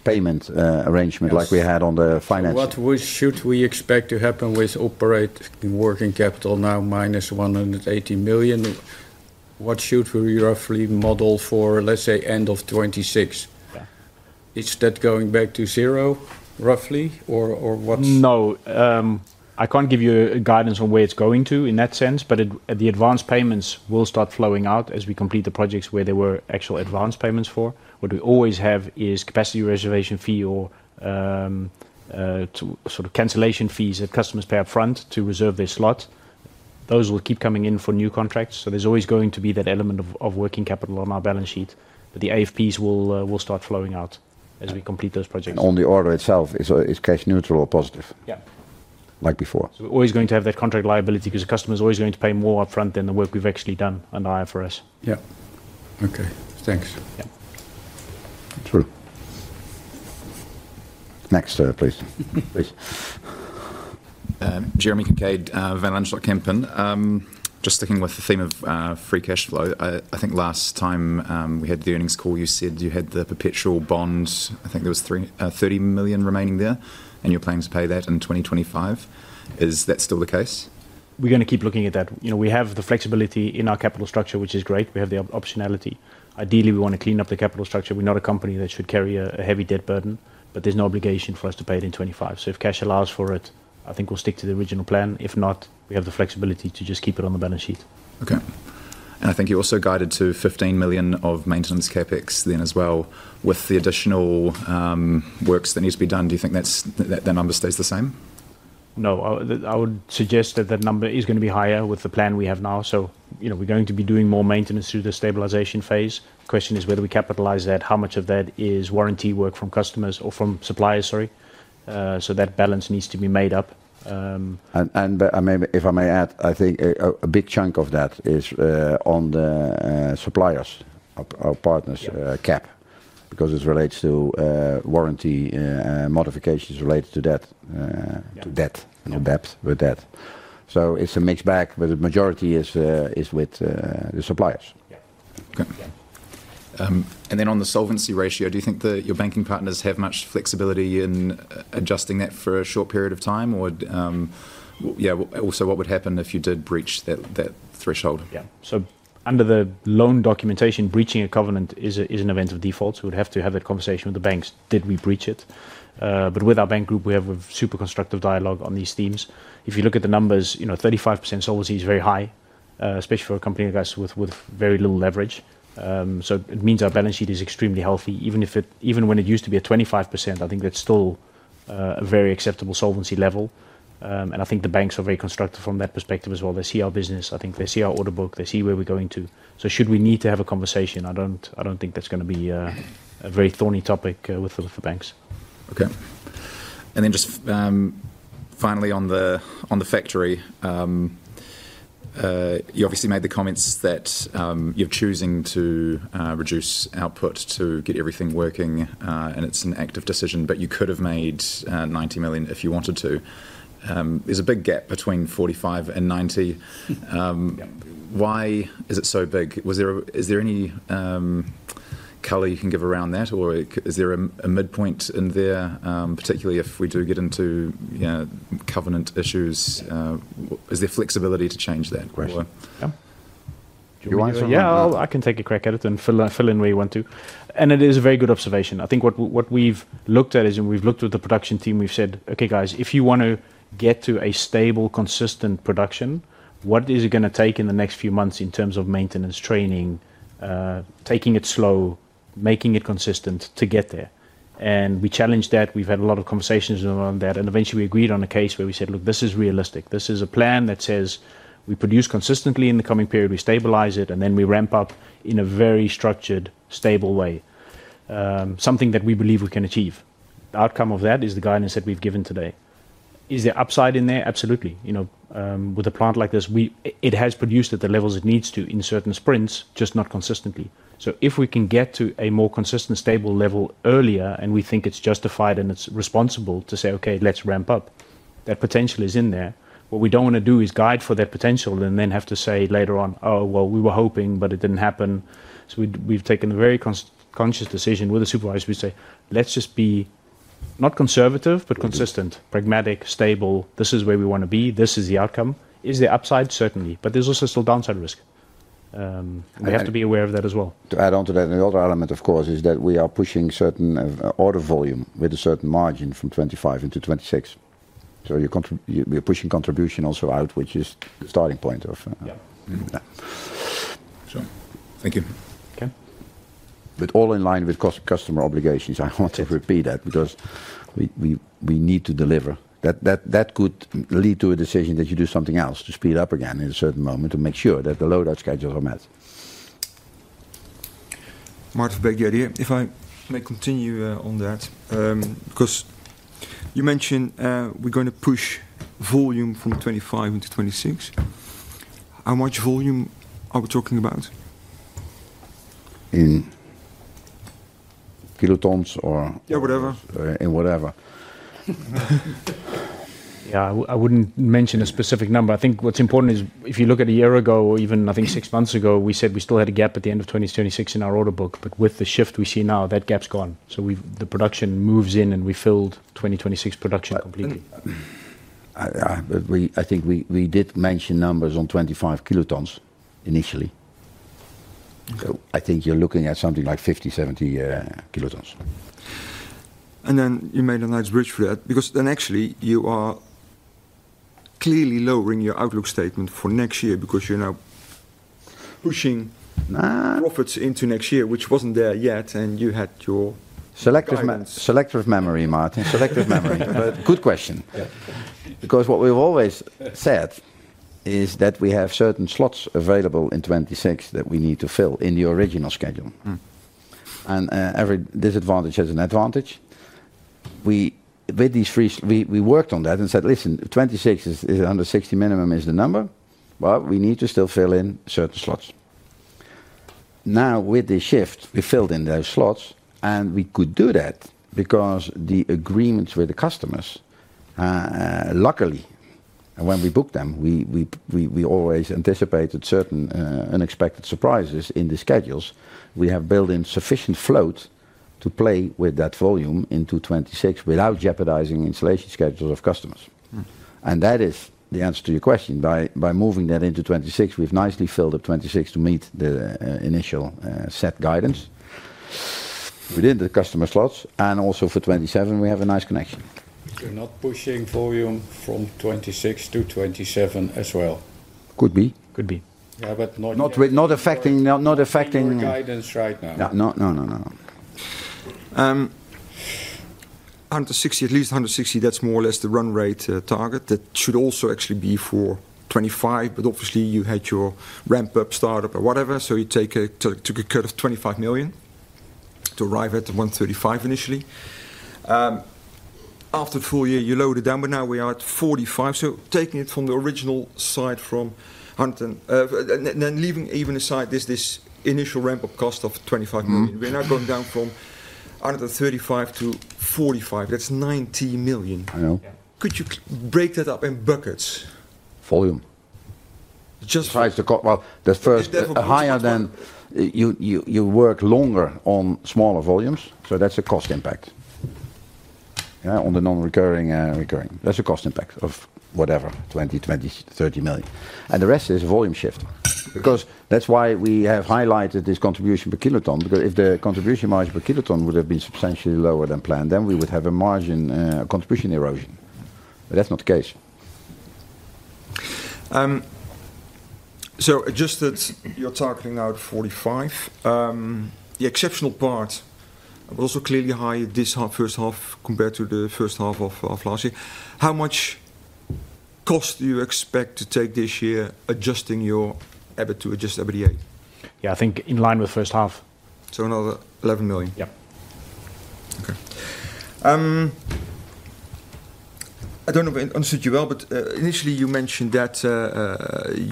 Speaker 1: payment arrangement like we had on the financing.
Speaker 3: What should we expect to happen with operating working capital now, minus 180 million? What should we roughly model for, let's say, end of 2026?
Speaker 1: Yeah.
Speaker 3: Is that going back to zero, roughly, or what?
Speaker 2: No. I can't give you a guidance on where it's going to in that sense, but the advanced payments will start flowing out as we complete the projects where there were actual advanced payments for. What we always have is capacity reservation fee or sort of cancellation fees that customers pay up front to reserve their slot. Those will keep coming in for new contracts. There's always going to be that element of working capital on our balance sheet. The AFPs will start flowing out as we complete those projects.
Speaker 1: On the order itself, is cash neutral or positive?
Speaker 2: Yeah.
Speaker 1: Like before?
Speaker 2: We're always going to have that contract liability because the customer is always going to pay more up front than the work we've actually done on the IFRS.
Speaker 3: Yeah, okay. Thanks.
Speaker 2: Yeah.
Speaker 1: True. Next, please.
Speaker 2: Please. Jeremy Kincaid, Venn Angela Kempen. Just sticking with the theme of free cash flow, I think last time we had the earnings call, you said you had the perpetual bonds, I think there was 30 million remaining there, and you're planning to pay that in 2025. Is that still the case? We're going to keep looking at that. We have the flexibility in our capital structure, which is great. We have the optionality. Ideally, we want to clean up the capital structure. We're not a company that should carry a heavy debt burden, but there's no obligation for us to pay it in 2025. If cash allows for it, I think we'll stick to the original plan. If not, we have the flexibility to just keep it on the balance sheet.
Speaker 1: I think you also guided to 15 million of maintenance CapEx then as well with the additional works that need to be done. Do you think that number stays the same?
Speaker 2: No, I would suggest that that number is going to be higher with the plan we have now. We're going to be doing more maintenance through the stabilization phase. The question is whether we capitalize that, how much of that is warranty work from customers or from suppliers, sorry. That balance needs to be made up.
Speaker 1: I mean, if I may add, I think a big chunk of that is on the suppliers, our partners' cap because it relates to warranty modifications related to debt and the depth with debt. It's a mixed bag, but the majority is with the suppliers.
Speaker 2: Okay. On the solvency ratio, do you think that your banking partners have much flexibility in adjusting that for a short period of time? Also, what would happen if you did breach that threshold? Under the loan documentation, breaching a covenant is an event of default. We would have to have a conversation with the banks. Did we breach it? With our bank group, we have a super constructive dialogue on these themes. If you look at the numbers, 35% solvency is very high, especially for a company like us with very little leverage. It means our balance sheet is extremely healthy. Even when it used to be at 25%, I think that's still a very acceptable solvency level. I think the banks are very constructive from that perspective as well. They see our business. I think they see our order book. They see where we're going to. Should we need to have a conversation, I don't think that's going to be a very thorny topic with the banks. On the factory, you obviously made the comments that you're choosing to reduce output to get everything working. It's an active decision, but you could have made 90 million if you wanted to. There's a big gap between 45 million and 90 million. Why is it so big? Is there any color you can give around that? Or is there a midpoint in there, particularly if we do get into covenant issues? Is there flexibility to change that? I can take a crack at it and fill in where you want to. It is a very good observation. I think what we've looked at is, and we've looked with the production team, we've said, okay, guys, if you want to get to a stable, consistent production, what is it going to take in the next few months in terms of maintenance, training, taking it slow, making it consistent to get there? We challenged that. We've had a lot of conversations around that. Eventually, we agreed on a case where we said, look, this is realistic. This is a plan that says we produce consistently in the coming period, we stabilize it, and then we ramp up in a very structured, stable way, something that we believe we can achieve. The outcome of that is the guidance that we've given today. Is there upside in there? Absolutely. With a plant like this, it has produced at the levels it needs to in certain sprints, just not consistently. If we can get to a more consistent, stable level earlier, and we think it's justified and it's responsible to say, okay, let's ramp up, that potential is in there. What we don't want to do is guide for that potential and then have to say later on, oh, we were hoping, but it didn't happen. We have taken a very conscious decision with the supervisor. We say, let's just be not conservative, but consistent, pragmatic, stable. This is where we want to be. This is the outcome. Is there upside? Certainly. There's also still downside risk. We have to be aware of that as well.
Speaker 1: To add on to that, another element, of course, is that we are pushing certain order volume with a certain margin from 2025 into 2026. We're pushing contribution also out, which is the starting point of.
Speaker 2: Yeah. Sure. Thank you. Okay. With all in line with customer obligations, I want to repeat that because we need to deliver. That could lead to a decision that you do something else to speed up again at a certain moment to make sure that the load-out schedules are met.
Speaker 3: If I may continue on that, because you mentioned we're going to push volume from 2025 into 2026. How much volume are we talking about?
Speaker 1: In kilotons or?
Speaker 3: Yeah, whatever.
Speaker 1: In whatever?
Speaker 2: Yeah, I wouldn't mention a specific number. I think what's important is if you look at a year ago or even, I think, six months ago, we said we still had a gap at the end of 2026 in our order book. With the shift we see now, that gap's gone. The production moves in and we filled 2026 production completely.
Speaker 1: I think we did mention numbers on 25 kt initially. I think you're looking at something like 50 kt, 70 kt.
Speaker 3: You made a nice bridge for that because actually you are clearly lowering your outlook statement for next year, because you're now pushing off its into next year, which wasn't there yet. You had your selective memory, Martin.
Speaker 1: Good question. Yeah, because what we've always said is that we have certain slots available in 2026 that we need to fill in the original schedule. Every disadvantage has an advantage. We worked on that and said, listen, 2026 is 160 minimum is the number. We need to still fill in certain slots. Now, with the shift, we filled in those slots. We could do that because the agreements with the customers, luckily, when we booked them, we always anticipated certain unexpected surprises in the schedules. We have built in sufficient float to play with that volume into 2026 without jeopardizing installation schedules of customers. That is the answer to your question. By moving that into 2026, we've nicely filled up 2026 to meet the initial set guidance within the customer slots. Also, for 2027, we have a nice connection.
Speaker 3: Not pushing volume from 2026 to 2027 as well.
Speaker 1: Could be.
Speaker 2: Could be.
Speaker 3: Yeah, not.
Speaker 1: Not affecting.
Speaker 3: Guidance right now.
Speaker 1: No, no, no, no, no.
Speaker 3: 160, at least 160, that's more or less the run rate target. That should also actually be for 2025. Obviously, you had your ramp-up, startup, or whatever. You took a cut of 25 million to arrive at 135 initially. After the full year, you lowered it down. Now we are at 45. Taking it from the original side from 100 and then leaving even aside this initial ramp-up cost of 25 million, we're now going down from 135 to 45. That's 90 million.
Speaker 1: I know.
Speaker 3: Could you break that up in buckets?
Speaker 1: Volume.
Speaker 3: Just.
Speaker 1: Higher than you work longer on smaller volumes. That's a cost impact. Yeah, on the non-recurring and recurring, that's a cost impact of 20 million, 30 million, EUR 30 million. The rest is a volume shift. That's why we have highlighted this contribution per kiloton. If the contribution margin per kiloton would have been substantially lower than planned, then we would have a margin, a contribution erosion. That's not the case.
Speaker 3: Adjusted, you're targeting now at 45. The exceptional part, but also clearly higher this half, first half compared to the first half of last year. How much cost do you expect to take this year, adjusting your effort to adjust every year?
Speaker 2: Yeah, I think in line with first half.
Speaker 3: Another 11 million?
Speaker 2: Yeah.
Speaker 3: Okay. I don't know if I understood you well, but initially, you mentioned that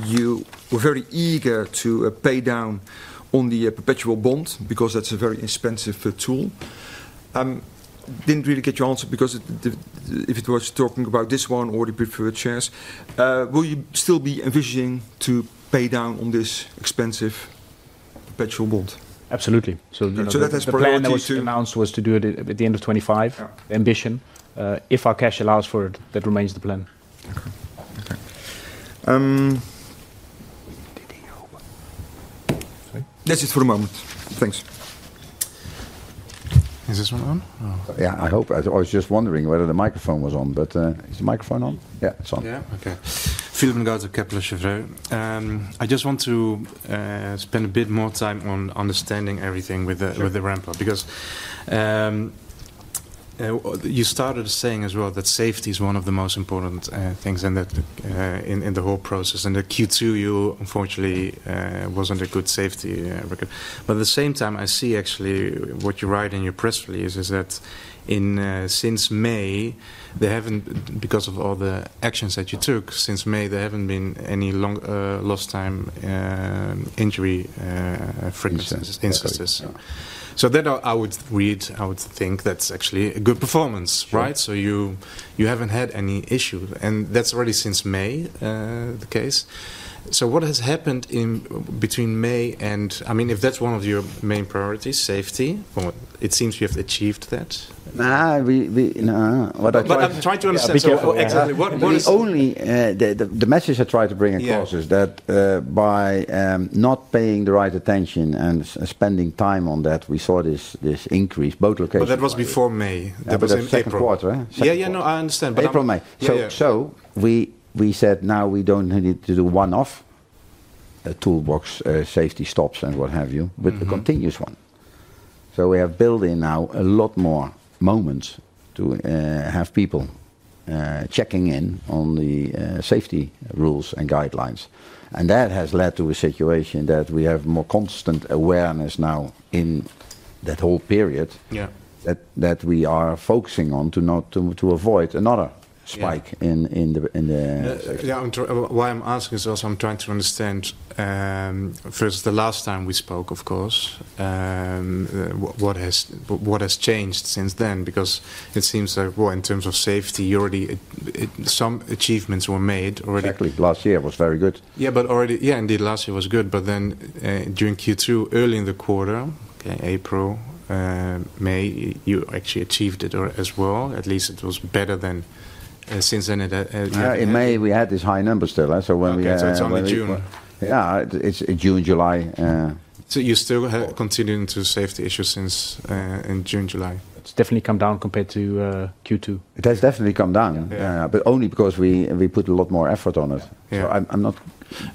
Speaker 3: you were very eager to pay down on the perpetual bond because that's a very expensive tool. I didn't really get your answer because if it was talking about this one or the preferred shares, will you still be envisioning to pay down on this expensive perpetual bond?
Speaker 2: Absolutely.
Speaker 3: That is the plan that was announced, to do it at the end of 2025, the ambition. If our cash allows for it, that remains the plan.
Speaker 1: Okay. Okay.
Speaker 2: Sorry?
Speaker 3: That's it for the moment. Thanks.
Speaker 1: Is this one on? I hope. I was just wondering whether the microphone was on. Is the microphone on? Yeah, it's on. Yeah, okay. Phillip Mingards, a capital of Chauvet. I just want to spend a bit more time on understanding everything with the ramp-up because you started saying as well that safety is one of the most important things in the whole process. The Q2, unfortunately, wasn't a good safety record. At the same time, I see actually what you write in your press release is that since May, because of all the actions that you took since May, there haven't been any long lost time injury incidences. I would read, I would think that's actually a good performance, right? You haven't had any issues. That's already since May, the case. What has happened between May and, I mean, if that's one of your main priorities, safety, it seems you have achieved that.
Speaker 3: No, what I'm trying to understand, because exactly.
Speaker 1: The message I try to bring across is that by not paying the right attention and spending time on that, we saw this increase, both locations.
Speaker 3: That was in April, before May. Yeah, I understand.
Speaker 1: April, May. We said now we don't need to do one-off toolbox safety stops and what have you with the continuous one. We have built in now a lot more moments to have people checking in on the safety rules and guidelines. That has led to a situation that we have more constant awareness now in that whole period. Yeah, we are focusing on to avoid another spike in the.
Speaker 3: Yeah, why I'm asking is also I'm trying to understand, first, the last time we spoke, of course, what has changed since then? It seems like, in terms of safety, you already, some achievements were made already.
Speaker 1: Actually, last year was very good.
Speaker 3: Yeah, last year was good. During Q2, early in the quarter, in April, May, you actually achieved it as well. At least it was better than since then.
Speaker 1: Yeah, in May, we had this high number still. When we.
Speaker 3: It's only June.
Speaker 1: Yeah, it's June, July.
Speaker 3: You're still continuing to save the issue since June, July.
Speaker 2: It's definitely come down compared to Q2.
Speaker 1: It has definitely come down, only because we put a lot more effort on it.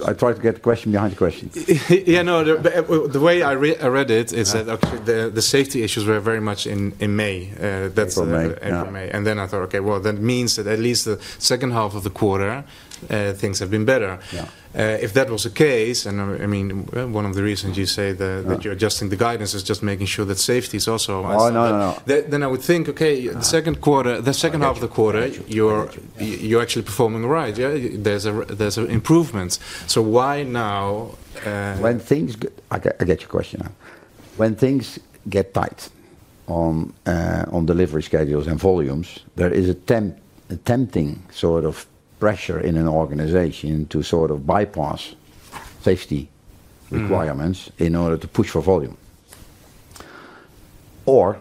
Speaker 1: I try to get the question behind the question.
Speaker 3: Yeah, the way I read it is that the safety issues were very much in May.
Speaker 1: April, May.
Speaker 3: I thought, okay, that means that at least the second half of the quarter, things have been better. If that was the case, and one of the reasons you say that you're adjusting the guidance is just making sure that safety is also.
Speaker 1: No, no, no.
Speaker 3: I would think, okay, the second quarter, the second half of the quarter, you're actually performing right. Yeah, there's an improvement. Why now?
Speaker 1: I get your question now. When things get tight on delivery schedules and volumes, there is a tempting sort of pressure in an organization to sort of bypass safety requirements in order to push for volume or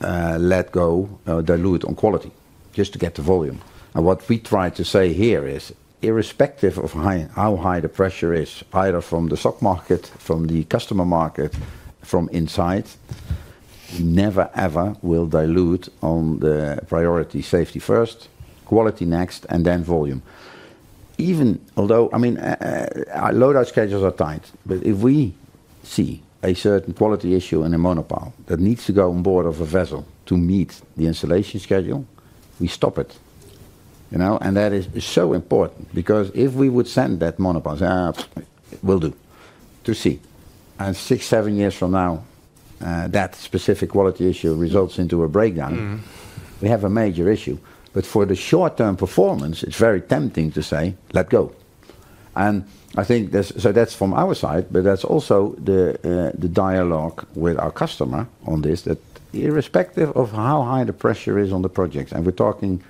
Speaker 1: let go or dilute on quality just to get the volume. What we try to say here is, irrespective of how high the pressure is, either from the stock market, from the customer market, from inside, never ever will dilute on the priority safety first, quality next, and then volume. Even although, I mean, our loadout schedules are tight, if we see a certain quality issue in a monopile that needs to go on board of a vessel to meet the installation schedule, we stop it. That is so important because if we would send that monopile, say, we'll do to see. Six, seven years from now, that specific quality issue results into a breakdown, we have a major issue. For the short-term performance, it's very tempting to say, let go. I think that's from our side, but that's also the dialogue with our customer on this, that irrespective of how high the pressure is on the projects, and we're talking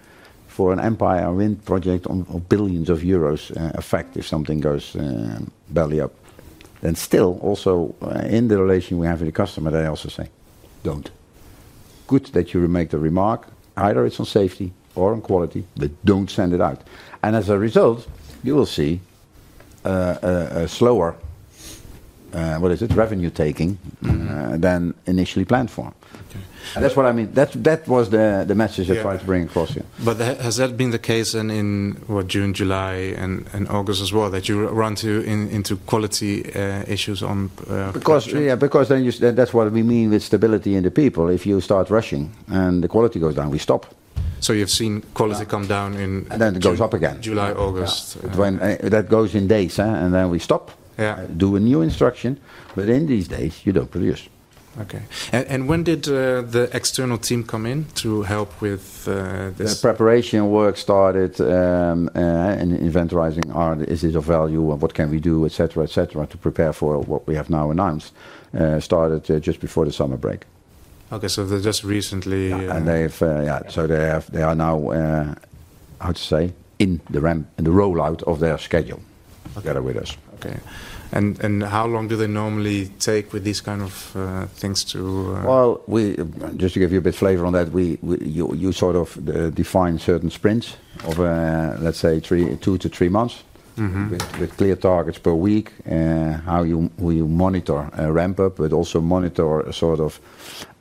Speaker 1: for an Empire Wind 1 project of billions of euros effect if something goes belly up. Still, also in the relation we have with the customer, they also say, don't. Good that you make the remark, either it's on safety or on quality, but don't send it out. As a result, you will see a slower, what is it, revenue taking than initially planned for. That's what I mean. That was the message I tried to bring across here.
Speaker 3: Has that been the case in June, July, and August as well, that you run into quality issues on?
Speaker 1: Yeah, because that's what we mean with stability in the people. If you start rushing and the quality goes down, we stop.
Speaker 3: You've seen quality come down in.
Speaker 1: It goes up again.
Speaker 3: July, August.
Speaker 1: That goes in days, and then we stop, do a new instruction. Within these days, you don't produce.
Speaker 3: Okay. When did the external team come in to help with this?
Speaker 1: The preparation work started in inventorizing our issues of value and what can we do, to prepare for what we have now announced started just before the summer break.
Speaker 3: Okay, they're just recently.
Speaker 1: They are now in the ramp and the rollout of their schedule together with us.
Speaker 3: How long do they normally take with these kind of things to?
Speaker 1: To give you a bit of flavor on that, you sort of define certain sprints over, let's say, two to three months with clear targets per week, how you monitor a ramp-up, but also monitor a sort of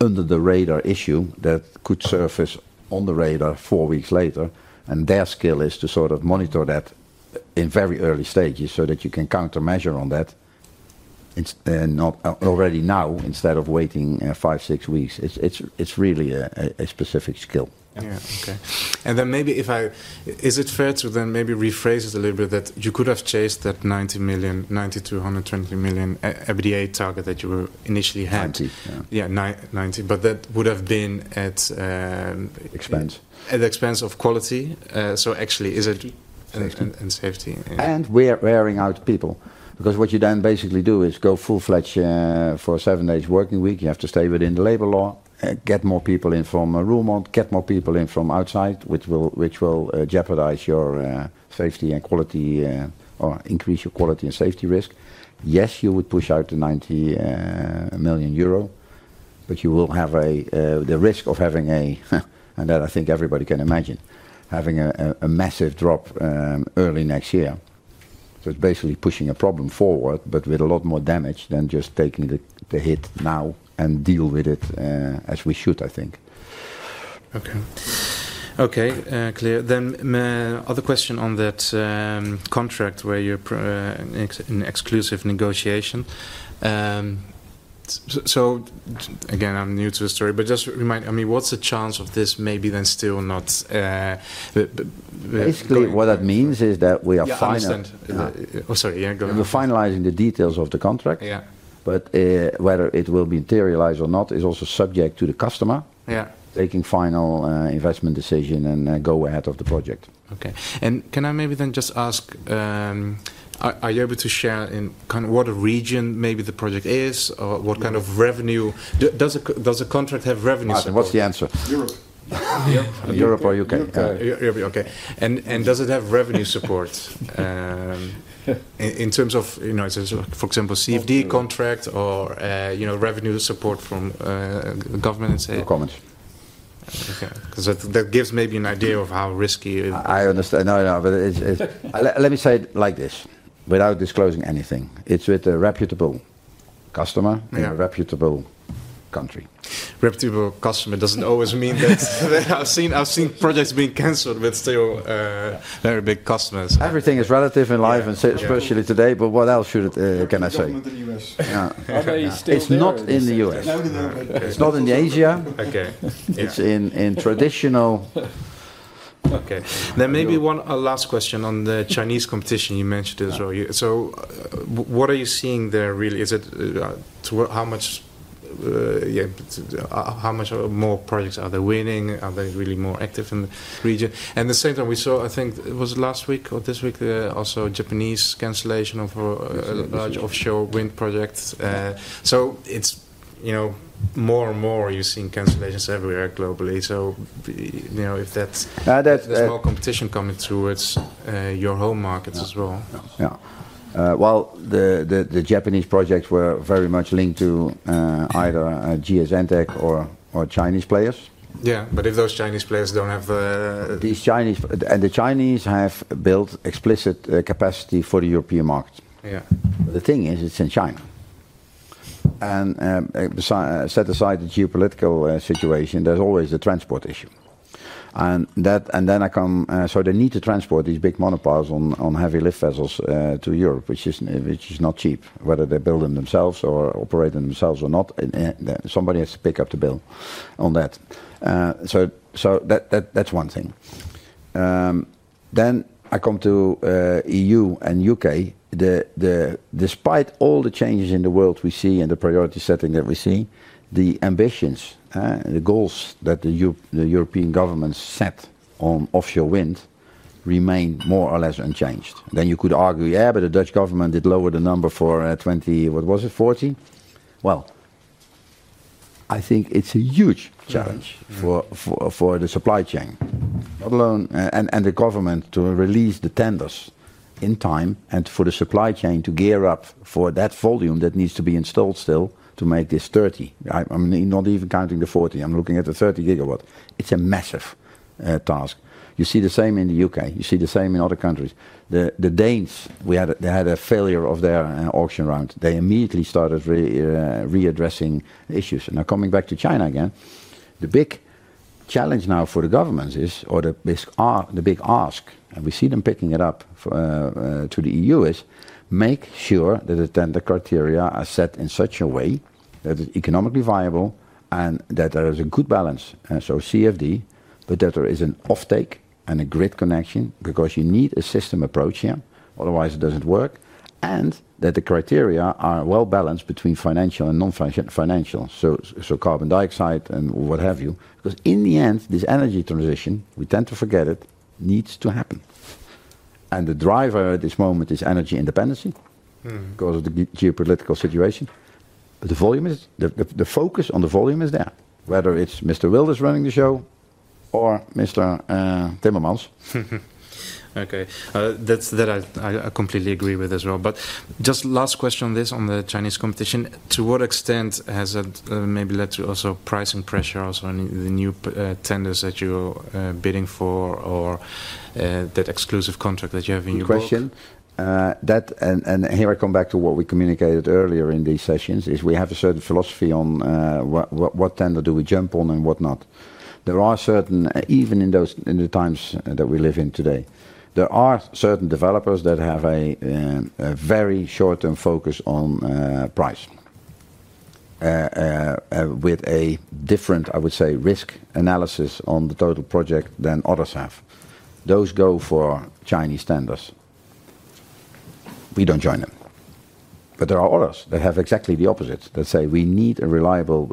Speaker 1: under-the-radar issue that could surface on the radar four weeks later. Their skill is to sort of monitor that in very early stages so that you can countermeasure on that already now instead of waiting five, six weeks. It's really a specific skill.
Speaker 3: Okay. Is it fair to maybe rephrase it a little bit that you could have chased that 90 million, 220 million adjusted EBITDA target that you initially had?
Speaker 1: 90.
Speaker 3: Yeah, 90. That would have been at.
Speaker 1: Expense.
Speaker 3: At the expense of quality, is it?
Speaker 1: And safety.
Speaker 3: And safety.
Speaker 1: We are wearing out people. What you then basically do is go full-fledged for a seven-day working week. You have to stay within the labor law, get more people in from Roermond, get more people in from outside, which will jeopardize your safety and quality or increase your quality and safety risk. Yes, you would push out the 90 million euro, but you will have the risk of having a, and that I think everybody can imagine, having a massive drop early next year. It is basically pushing a problem forward, but with a lot more damage than just taking the hit now and deal with it as we should, I think.
Speaker 3: Okay, clear. Other question on that contract where you're in exclusive negotiation. Again, I'm new to the story, but just remind me, I mean, what's the chance of this maybe then still not?
Speaker 1: Basically, what that means is that we are final.
Speaker 3: Yeah, I understand.
Speaker 1: Sorry. We're finalizing the details of the contract. Yeah, whether it will be materialized or not is also subject to the customer, yeah, making final investment decision and go ahead of the project.
Speaker 3: Okay. Can I maybe then just ask, are you able to share in kind of what region maybe the project is or what kind of revenue? Does the contract have revenue support?
Speaker 1: What's the answer? Europe or U.K.?
Speaker 3: Europe. Okay. Does it have revenue support in terms of, you know, for example, CFD contract or, you know, revenue support from the government?
Speaker 1: Comments.
Speaker 3: Okay, because that gives maybe an idea of how risky.
Speaker 1: I understand. Let me say it like this, without disclosing anything. It's with a reputable customer in a reputable country.
Speaker 3: Reputable customer doesn't always mean that I've seen projects being canceled with still very big customers.
Speaker 1: Everything is relative in life, especially today. What else can I say?
Speaker 3: Not the U.S.
Speaker 1: It's not in the U.S.
Speaker 3: No, no, no.
Speaker 1: It's not in the Asia.
Speaker 3: Okay.
Speaker 1: It's in traditional.
Speaker 3: Okay. Maybe one last question on the Chinese competition you mentioned as well. What are you seeing there really? Is it how much more projects are they winning? Are they really more active in the region? At the same time, we saw, I think it was last week or this week, also Japanese cancellation for a large offshore Wind project. More and more you're seeing cancellations everywhere globally. If there's more competition coming through, it's your home markets as well.
Speaker 1: Yeah. The Japanese projects were very much linked to either GS NTEC or Chinese players.
Speaker 3: Yeah, if those Chinese players don't have.
Speaker 1: The Chinese have built explicit capacity for the European market.
Speaker 3: Yeah.
Speaker 1: The thing is, it's in China. Set aside the geopolitical situation, there's always the transport issue. They need to transport these big monopiles on heavy lift vessels to Europe, which is not cheap, whether they build them themselves or operate them themselves or not. Somebody has to pick up the bill on that. That's one thing. I come to the EU and U.K. Despite all the changes in the world we see and the priority setting that we see, the ambitions and the goals that the European government set on offshore wind remain more or less unchanged. You could argue, yeah, the Dutch government did lower the number for 2040. I think it's a huge challenge for the supply chain, not alone, and the government to release the tenders in time and for the supply chain to gear up for that volume that needs to be installed still to make this 30. I'm not even counting the 40. I'm looking at the 30 GW. It's a massive task. You see the same in the U.K. You see the same in other countries. The Danes had a failure of their auction round. They immediately started readdressing issues. Coming back to China again, the big challenge now for the governments is, or the big ask, and we see them picking it up to the EU, is make sure that the tender criteria are set in such a way that it's economically viable and that there is a good balance. CFD, but that there is an offtake and a grid connection because you need a system approach here. Otherwise, it doesn't work. The criteria are well balanced between financial and non-financial, so carbon dioxide and what have you. In the end, this energy transition, we tend to forget it, needs to happen. The driver at this moment is energy independency because of the geopolitical situation. The focus on the volume is there, whether it's Mr. Wilders running the show or Mr. Timmermans.
Speaker 3: Okay. That's that I completely agree with as well. Just last question on this, on the Chinese competition, to what extent has that maybe led to also pricing pressure also on the new tenders that you're bidding for or that exclusive contract that you have in your?
Speaker 1: Good question. Here I come back to what we communicated earlier in these sessions. We have a certain philosophy on what tender we jump on and what not. Even in the times that we live in today, there are certain developers that have a very short-term focus on price with a different, I would say, risk analysis on the total project than others have. Those go for Chinese tenders. We don't join them. There are others that have exactly the opposite. They say we need a reliable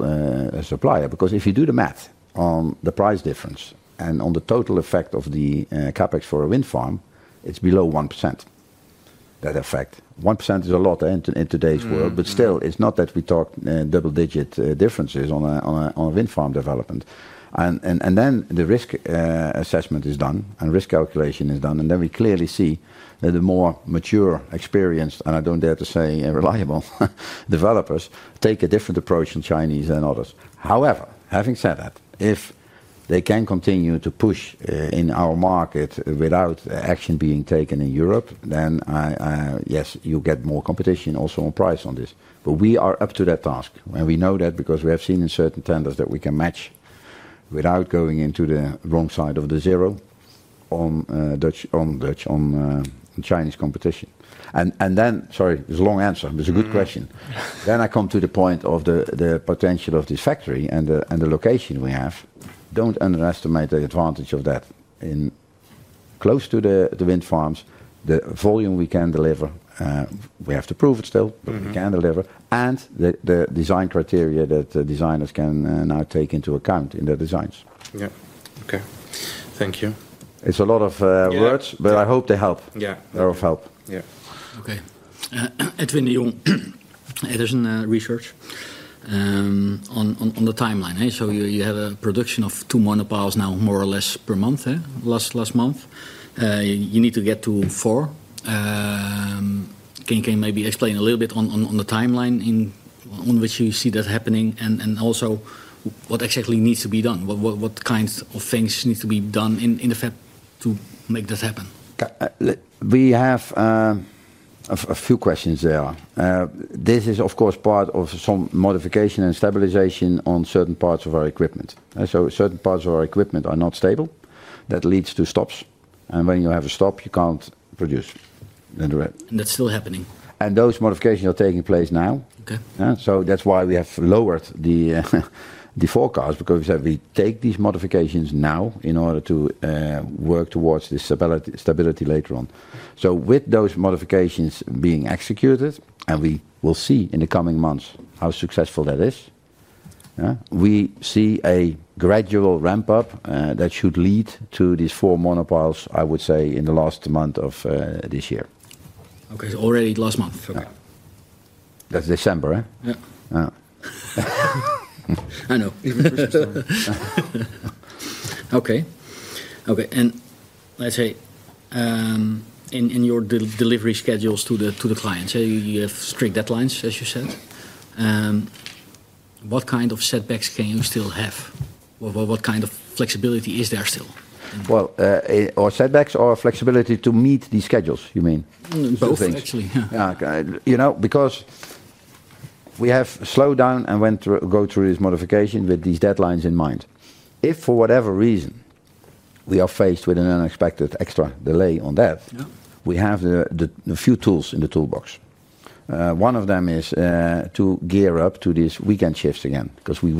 Speaker 1: supplier because if you do the math on the price difference and on the total effect of the CapEx for a Wind farm, it's below 1%. That effect, 1% is a lot in today's world, but still, it's not that we talk double-digit differences on a Wind farm development. The risk assessment is done and risk calculation is done. We clearly see that the more mature, experienced, and I don't dare to say reliable developers take a different approach in Chinese than others. However, having said that, if they can continue to push in our market without action being taken in Europe, then yes, you get more competition also on price on this. We are up to that task. We know that because we have seen in certain tenders that we can match without going into the wrong side of the zero on Chinese competition. Sorry, it's a long answer, but it's a good question. I come to the point of the potential of this factory and the location we have. Don't underestimate the advantage of that in close to the wind farms, the volume we can deliver. We have to prove it still, but we can deliver. The design criteria that the designers can now take into account in their designs.
Speaker 3: Okay. Thank you.
Speaker 1: It's a lot of words, but I hope they help. Yeah, they're of help.
Speaker 3: Yeah. Okay. Edwin Leon, Edison Research, on the timeline. You have a production of two monopiles now more or less per month, last month. You need to get to four. Can you maybe explain a little bit on the timeline on which you see that happening and also what exactly needs to be done? What kinds of things need to be done in the fact to make this happen?
Speaker 1: We have a few questions there. This is, of course, part of some modification and stabilization on certain parts of our equipment. Certain parts of our equipment are not stable. That leads to stops, and when you have a stop, you can't produce.
Speaker 3: That's still happening.
Speaker 1: Those modifications are taking place now. That is why we have lowered the forecast because we said we take these modifications now in order to work towards this stability later on. With those modifications being executed, and we will see in the coming months how successful that is, we see a gradual ramp-up that should lead to these four monopiles, I would say, in the last month of this year.
Speaker 3: Okay, already last month.
Speaker 1: Yeah, that's December.
Speaker 3: Yeah. I know. Okay. Okay. In your delivery schedules to the clients, you have strict deadlines, as you said. What kind of setbacks can you still have? What kind of flexibility is there still?
Speaker 1: Are our setbacks our flexibility to meet these schedules, you mean?
Speaker 3: Both, actually.
Speaker 1: Yeah, because we have slowed down and went to go through this modification with these deadlines in mind. If for whatever reason we are faced with an unexpected extra delay on that, we have a few tools in the toolbox. One of them is to gear up to these weekend shifts again because we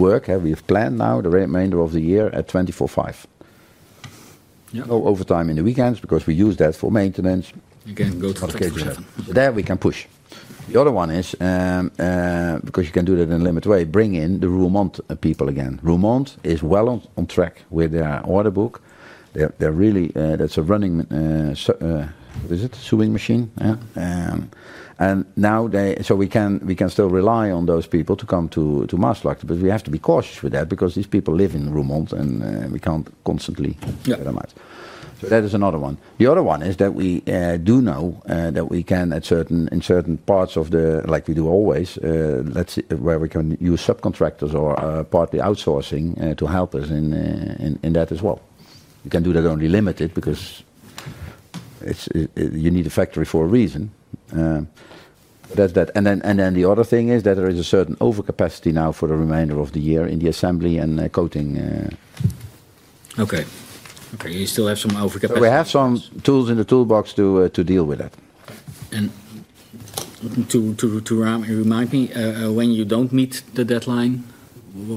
Speaker 1: have planned now the remainder of the year at 24/5. No overtime in the weekends because we use that for maintenance.
Speaker 3: You can go to the Sif.
Speaker 1: There we can push. The other one is, because you can do that in a limited way, bring in the Roermond people again. Roermond is well on track with their order book. They're really, that's a running, what is it, sewing machine? We can still rely on those people to come to Maastricht, but we have to be cautious with that because these people live in Roermond and we can't constantly keep it alive. That is another one. The other one is that we do know that we can, in certain parts of the, like we do always, let's see where we can use subcontractors or partly outsourcing to help us in that as well. We can do that only limited because you need a factory for a reason. There is a certain overcapacity now for the remainder of the year in the assembly and coating.
Speaker 3: Okay. Okay, you still have some overcapacity.
Speaker 1: We have some tools in the toolbox to deal with that.
Speaker 3: Remind me, when you don't meet the deadline,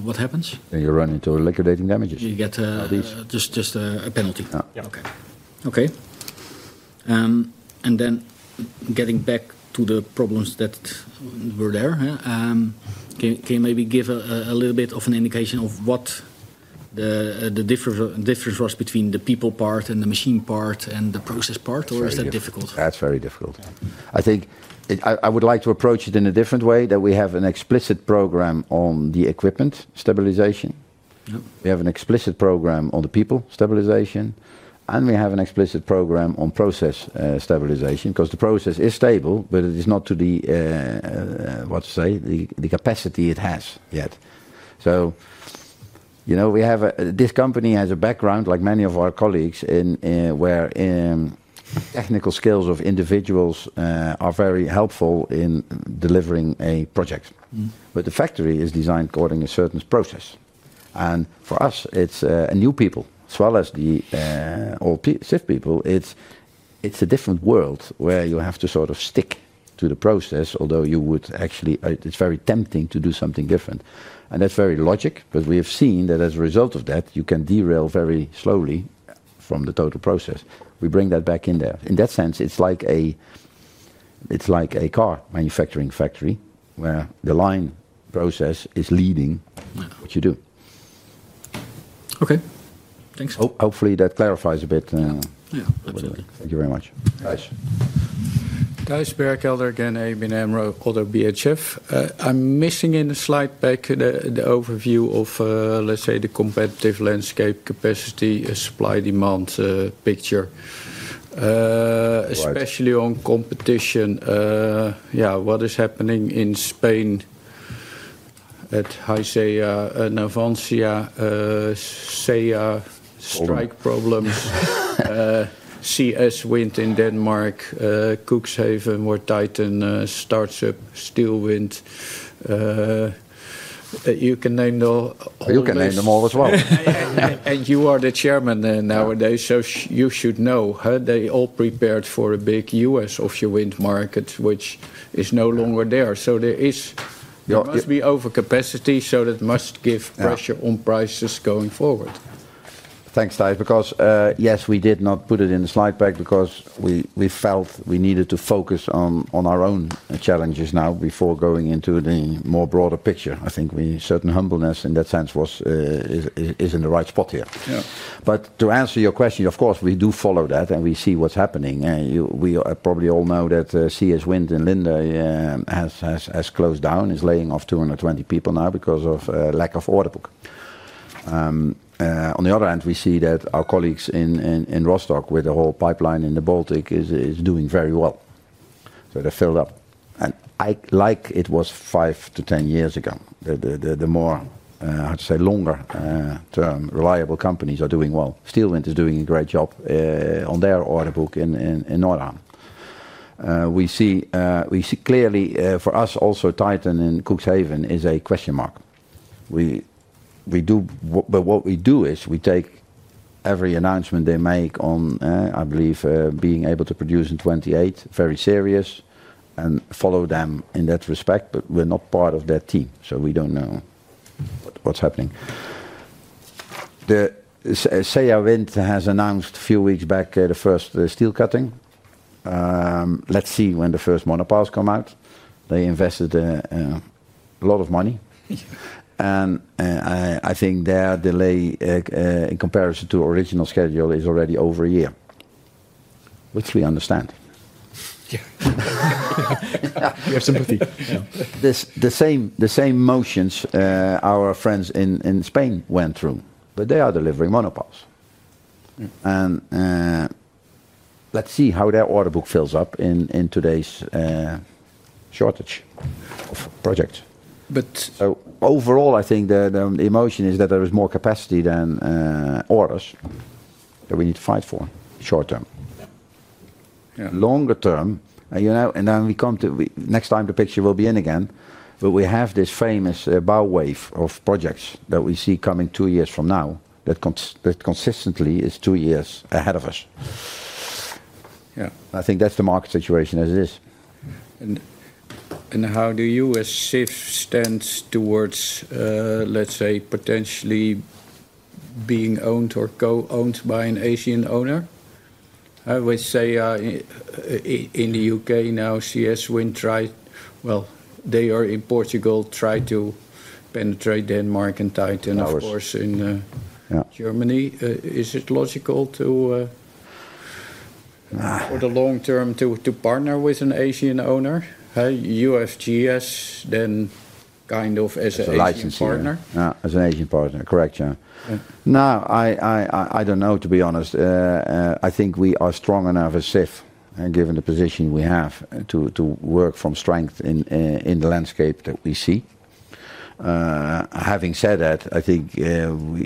Speaker 3: what happens?
Speaker 1: You run into liquidated damages.
Speaker 3: You get just a penalty.
Speaker 1: Yeah.
Speaker 3: Okay. Getting back to the problems that were there, can you maybe give a little bit of an indication of what the difference was between the people part, the machine part, and the process part, or is that difficult?
Speaker 1: That's very difficult. I think I would like to approach it in a different way. We have an explicit program on the equipment stabilization. We have an explicit program on the people stabilization. We have an explicit program on process stabilization because the process is stable, but it is not to the, what to say, the capacity it has yet. This company has a background, like many of our colleagues, where technical skills of individuals are very helpful in delivering a project. The factory is designed according to a certain process. For us, it's new people, as well as the old Sif people. It's a different world where you have to sort of stick to the process, although it's very tempting to do something different. That's very logical, but we have seen that as a result of that, you can derail very slowly from the total process. We bring that back in there. In that sense, it's like a car manufacturing factory where the line process is leading what you do.
Speaker 3: Okay. Thanks.
Speaker 1: Hopefully, that clarifies a bit.
Speaker 3: Yeah, absolutely.
Speaker 1: Thank you very much.
Speaker 3: Guys, Barak Elder again, Amin Amro, Calder BHF. I'm missing in the slide deck the overview of, let's say, the competitive landscape, capacity, supply-demand picture, especially on competition. Yeah, what is happening in Spain at Haizea and Navantia? Seaside problems. CS Wind in Denmark, Cuxhaven, More Titan, Starship, Steelwind. You can name them.
Speaker 1: You can name them all as well.
Speaker 3: You are the Chairman nowadays, so you should know they all prepared for a big U.S. offshore wind market, which is no longer there. There is going to be overcapacity, so that must give pressure on prices going forward.
Speaker 1: Thanks, Thijs, because yes, we did not put it in the slide pack because we felt we needed to focus on our own challenges now before going into the more broader picture. I think a certain humbleness in that sense was in the right spot here. Yeah, to answer your question, of course, we do follow that and we see what's happening. We probably all know that CS Wind in Linden has closed down, is laying off 220 people now because of lack of order book. On the other hand, we see that our colleagues in Rostock with the whole pipeline in the Baltic are doing very well. They're filled up. Like it was five to 10 years ago, the more, I'd say, longer-term reliable companies are doing well. Steel Wind is doing a great job on their order book in Nordham. We see clearly for us also Titan and Cookhaven is a question mark. What we do is we take every announcement they make on, I believe, being able to produce in 2028, very serious, and follow them in that respect, but we're not part of that team. We don't know what's happening. Sea Wind has now, a few weeks back, the first steel cutting. Let's see when the first monopiles come out. They invested a lot of money. I think their delay in comparison to the original schedule is already over a year, which we understand.
Speaker 2: Yeah, we have some good people.
Speaker 1: The same motions our friends in Spain went through. They are delivering monopiles. Let's see how their order book fills up in today's shortage of projects. Overall, I think the emotion is that there is more capacity than orders that we need to fight for short term. Longer term, you know, and then we come to the next time the picture will be in again, but we have this famous bow wave of projects that we see coming two years from now that consistently is two years ahead of us.
Speaker 3: Yeah.
Speaker 1: I think that's the market situation as it is.
Speaker 3: How do you, as Sif, stand towards, let's say, potentially being owned or co-owned by an Asian owner? I would say in the UK now, CSWin tried, they are in Portugal, tried to penetrate Denmark and Titan, of course, in Germany. Is it logical to, for the long term, to partner with an Asian owner, USGS, then kind of as a partner?
Speaker 1: As an Asian partner, correct, yeah. No, I don't know, to be honest. I think we are strong enough as Sif, given the position we have, to work from strength in the landscape that we see. Having said that, I think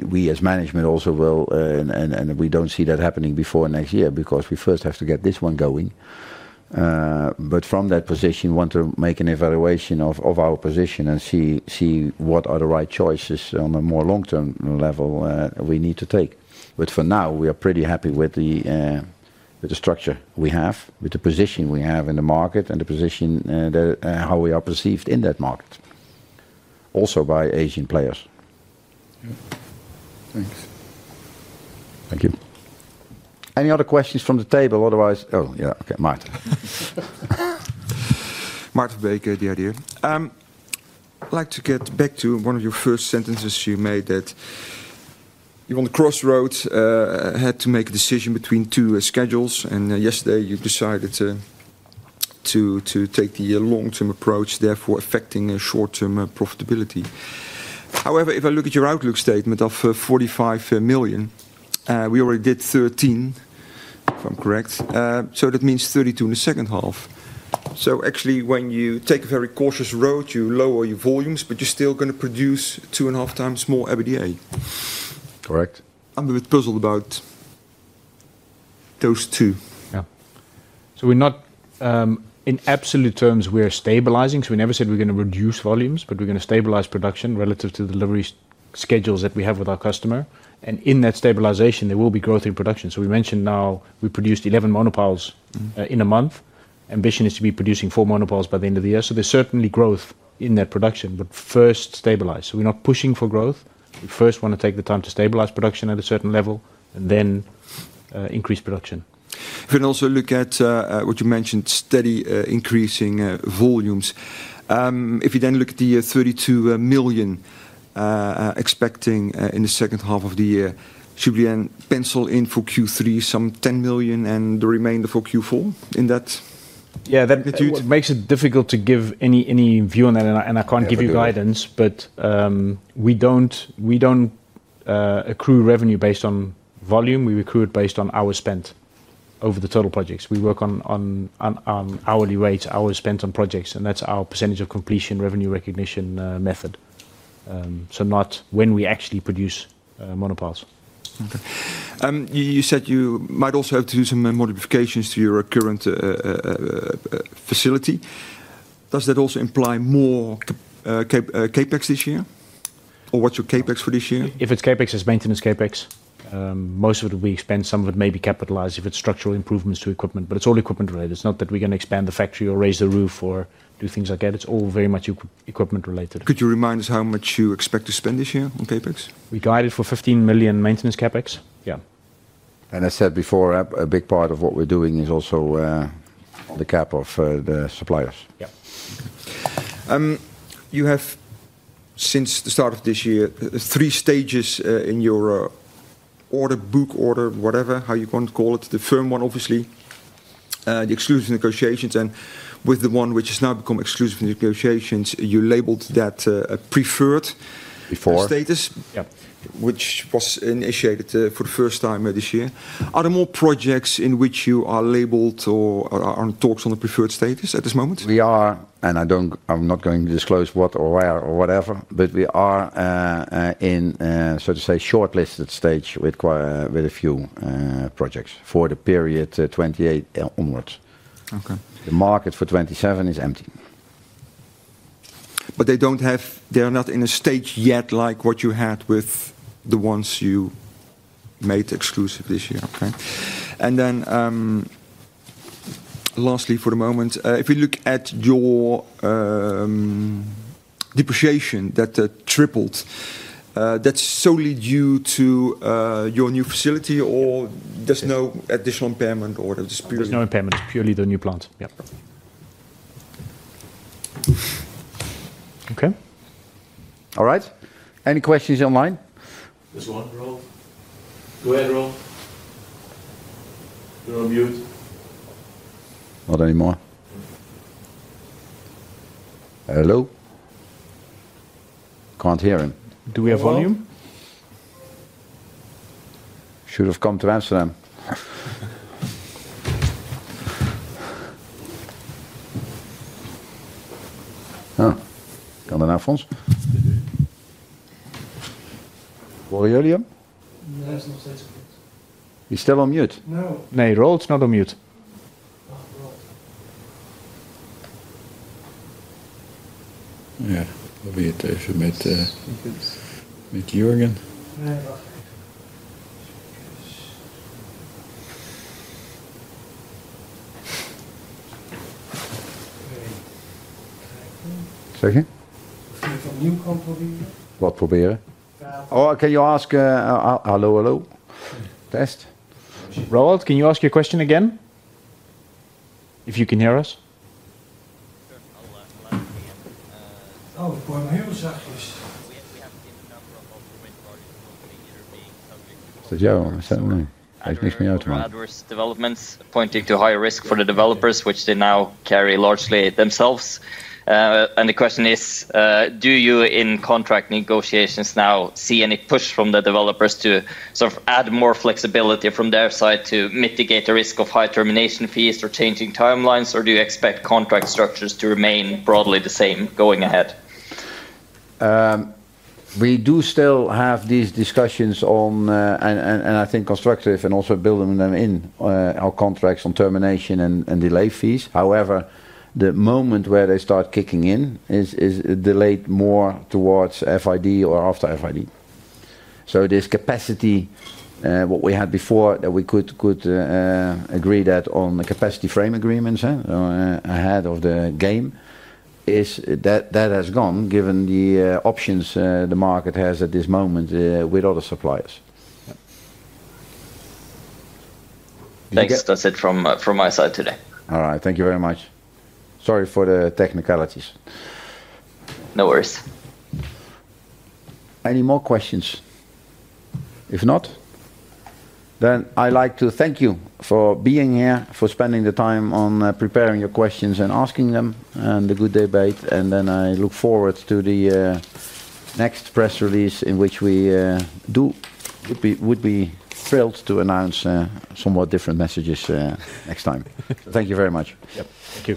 Speaker 1: we as management also will, and we don't see that happening before next year because we first have to get this one going. From that position, we want to make an evaluation of our position and see what are the right choices on a more long-term level we need to take. For now, we are pretty happy with the structure we have, with the position we have in the market, and the position, how we are perceived in that market, also by Asian players.
Speaker 3: Thanks.
Speaker 1: Thank you. Any other questions from the table? Otherwise, okay, Martin.
Speaker 3: The idea. I'd like to get back to one of your first sentences you made that you're on the crossroads, had to make a decision between two schedules, and yesterday you decided to take the long-term approach, therefore affecting short-term profitability. However, if I look at your outlook statement of 45 million, we already did 13 million, if I'm correct. That means 32 million in the second half. Actually, when you take a very cautious road, you lower your volumes, but you're still going to produce 2.5X more EBITDA.
Speaker 1: Correct.
Speaker 3: I'm a bit puzzled about those two.
Speaker 2: We're not, in absolute terms, we're stabilizing. We never said we're going to reduce volumes, but we're going to stabilize production relative to the delivery schedules that we have with our customer. In that stabilization, there will be growth in production. We mentioned now we produced 11 monopiles in a month. Ambition is to be producing 40 monopiles by the end of the year. There's certainly growth in that production, but first stabilize. We're not pushing for growth. We first want to take the time to stabilize production at a certain level and then increase production.
Speaker 3: If we also look at what you mentioned, steady increasing volumes, if you then look at the 32 million expecting in the second half of the year, should we then pencil in for Q3 some 10 million and the remainder for Q4 in that?
Speaker 2: That makes it difficult to give any view on that. I can't give you guidance, but we don't accrue revenue based on volume. We accrue it based on hours spent over the total projects. We work on hourly rates, hours spent on projects, and that's our percentage of completion revenue recognition method, not when we actually produce monopiles.
Speaker 3: You said you might also have to do some modifications to your current facility. Does that also imply more CapEx this year? Or what's your CapEx for this year?
Speaker 2: If it's CapEx, it's maintenance CapEx. Most of it will be expense. Some of it may be capitalized if it's structural improvements to equipment, but it's all equipment related. It's not that we're going to expand the factory or raise the roof or do things like that. It's all very much equipment related.
Speaker 3: Could you remind us how much you expect to spend this year on CapEx?
Speaker 2: We guided for 15 million maintenance CapEx.
Speaker 3: Yeah.
Speaker 1: As I said before, a big part of what we're doing is also the cap of the suppliers.
Speaker 3: You have, since the start of this year, three stages in your order book, order whatever, how you want to call it, the firm one, obviously, the exclusive negotiations, and with the one which has now become exclusive negotiations, you labeled that a preferred status, which was initiated for the first time this year. Are there more projects in which you are labeled or are on talks on the preferred status at this moment?
Speaker 1: We are, and I'm not going to disclose what or where or whatever, but we are in, so to say, shortlisted stage with quite a few projects for the period 2028 onwards.
Speaker 3: Okay.
Speaker 1: The market for 2027 is empty.
Speaker 3: They don't have, they're not in a stage yet like what you had with the ones you made exclusive this year. If we look at your depreciation that tripled, that's solely due to your new facility, or there's no additional impairment, or there's purely.
Speaker 2: There's no impairment. It's purely the new plant, yeah.
Speaker 3: Okay. All right. Any questions online?
Speaker 2: This line dropped. Go ahead, Rob. We're on mute.
Speaker 1: Not anymore. Hello? Can't hear him.
Speaker 3: Do we have volume?
Speaker 1: Should have come to answer them. Got an offense. Were we on him? He's still on mute.
Speaker 2: No. No, Rob's not on mute.
Speaker 1: Yeah, we'll be here too if you meet Jürgen.
Speaker 2: I have a second. What?
Speaker 1: Probably. What? Probably. Okay. Hello, hello. Test?
Speaker 2: Robert, can you ask your question again if you can hear us? Go ahead. We have a number of remaining parties in the property here made unmutable.
Speaker 1: Yeah, I was mixing it up. Adverse developments pointing to higher risk for the developers, which they now carry largely themselves. The question is, do you in contract negotiations now see any push from the developers to sort of add more flexibility from their side to mitigate the risk of high termination fees or changing timelines, or do you expect contract structures to remain broadly the same going ahead? We do still have these discussions on, and I think constructive, and also building them in our contracts on termination and delay fees. However, the moment where they start kicking in is delayed more towards FID or after FID. This capacity, what we had before that we could agree that on the capacity frame agreements ahead of the game, that has gone given the options the market has at this moment with other suppliers. Thanks. That's it from my side today. All right. Thank you very much. Sorry for the technicalities. No worries. Any more questions? If not, I'd like to thank you for being here, for spending the time on preparing your questions and asking them, and the good debate. I look forward to the next press release in which we would be thrilled to announce somewhat different messages next time. Thank you very much.
Speaker 2: Yep. Good.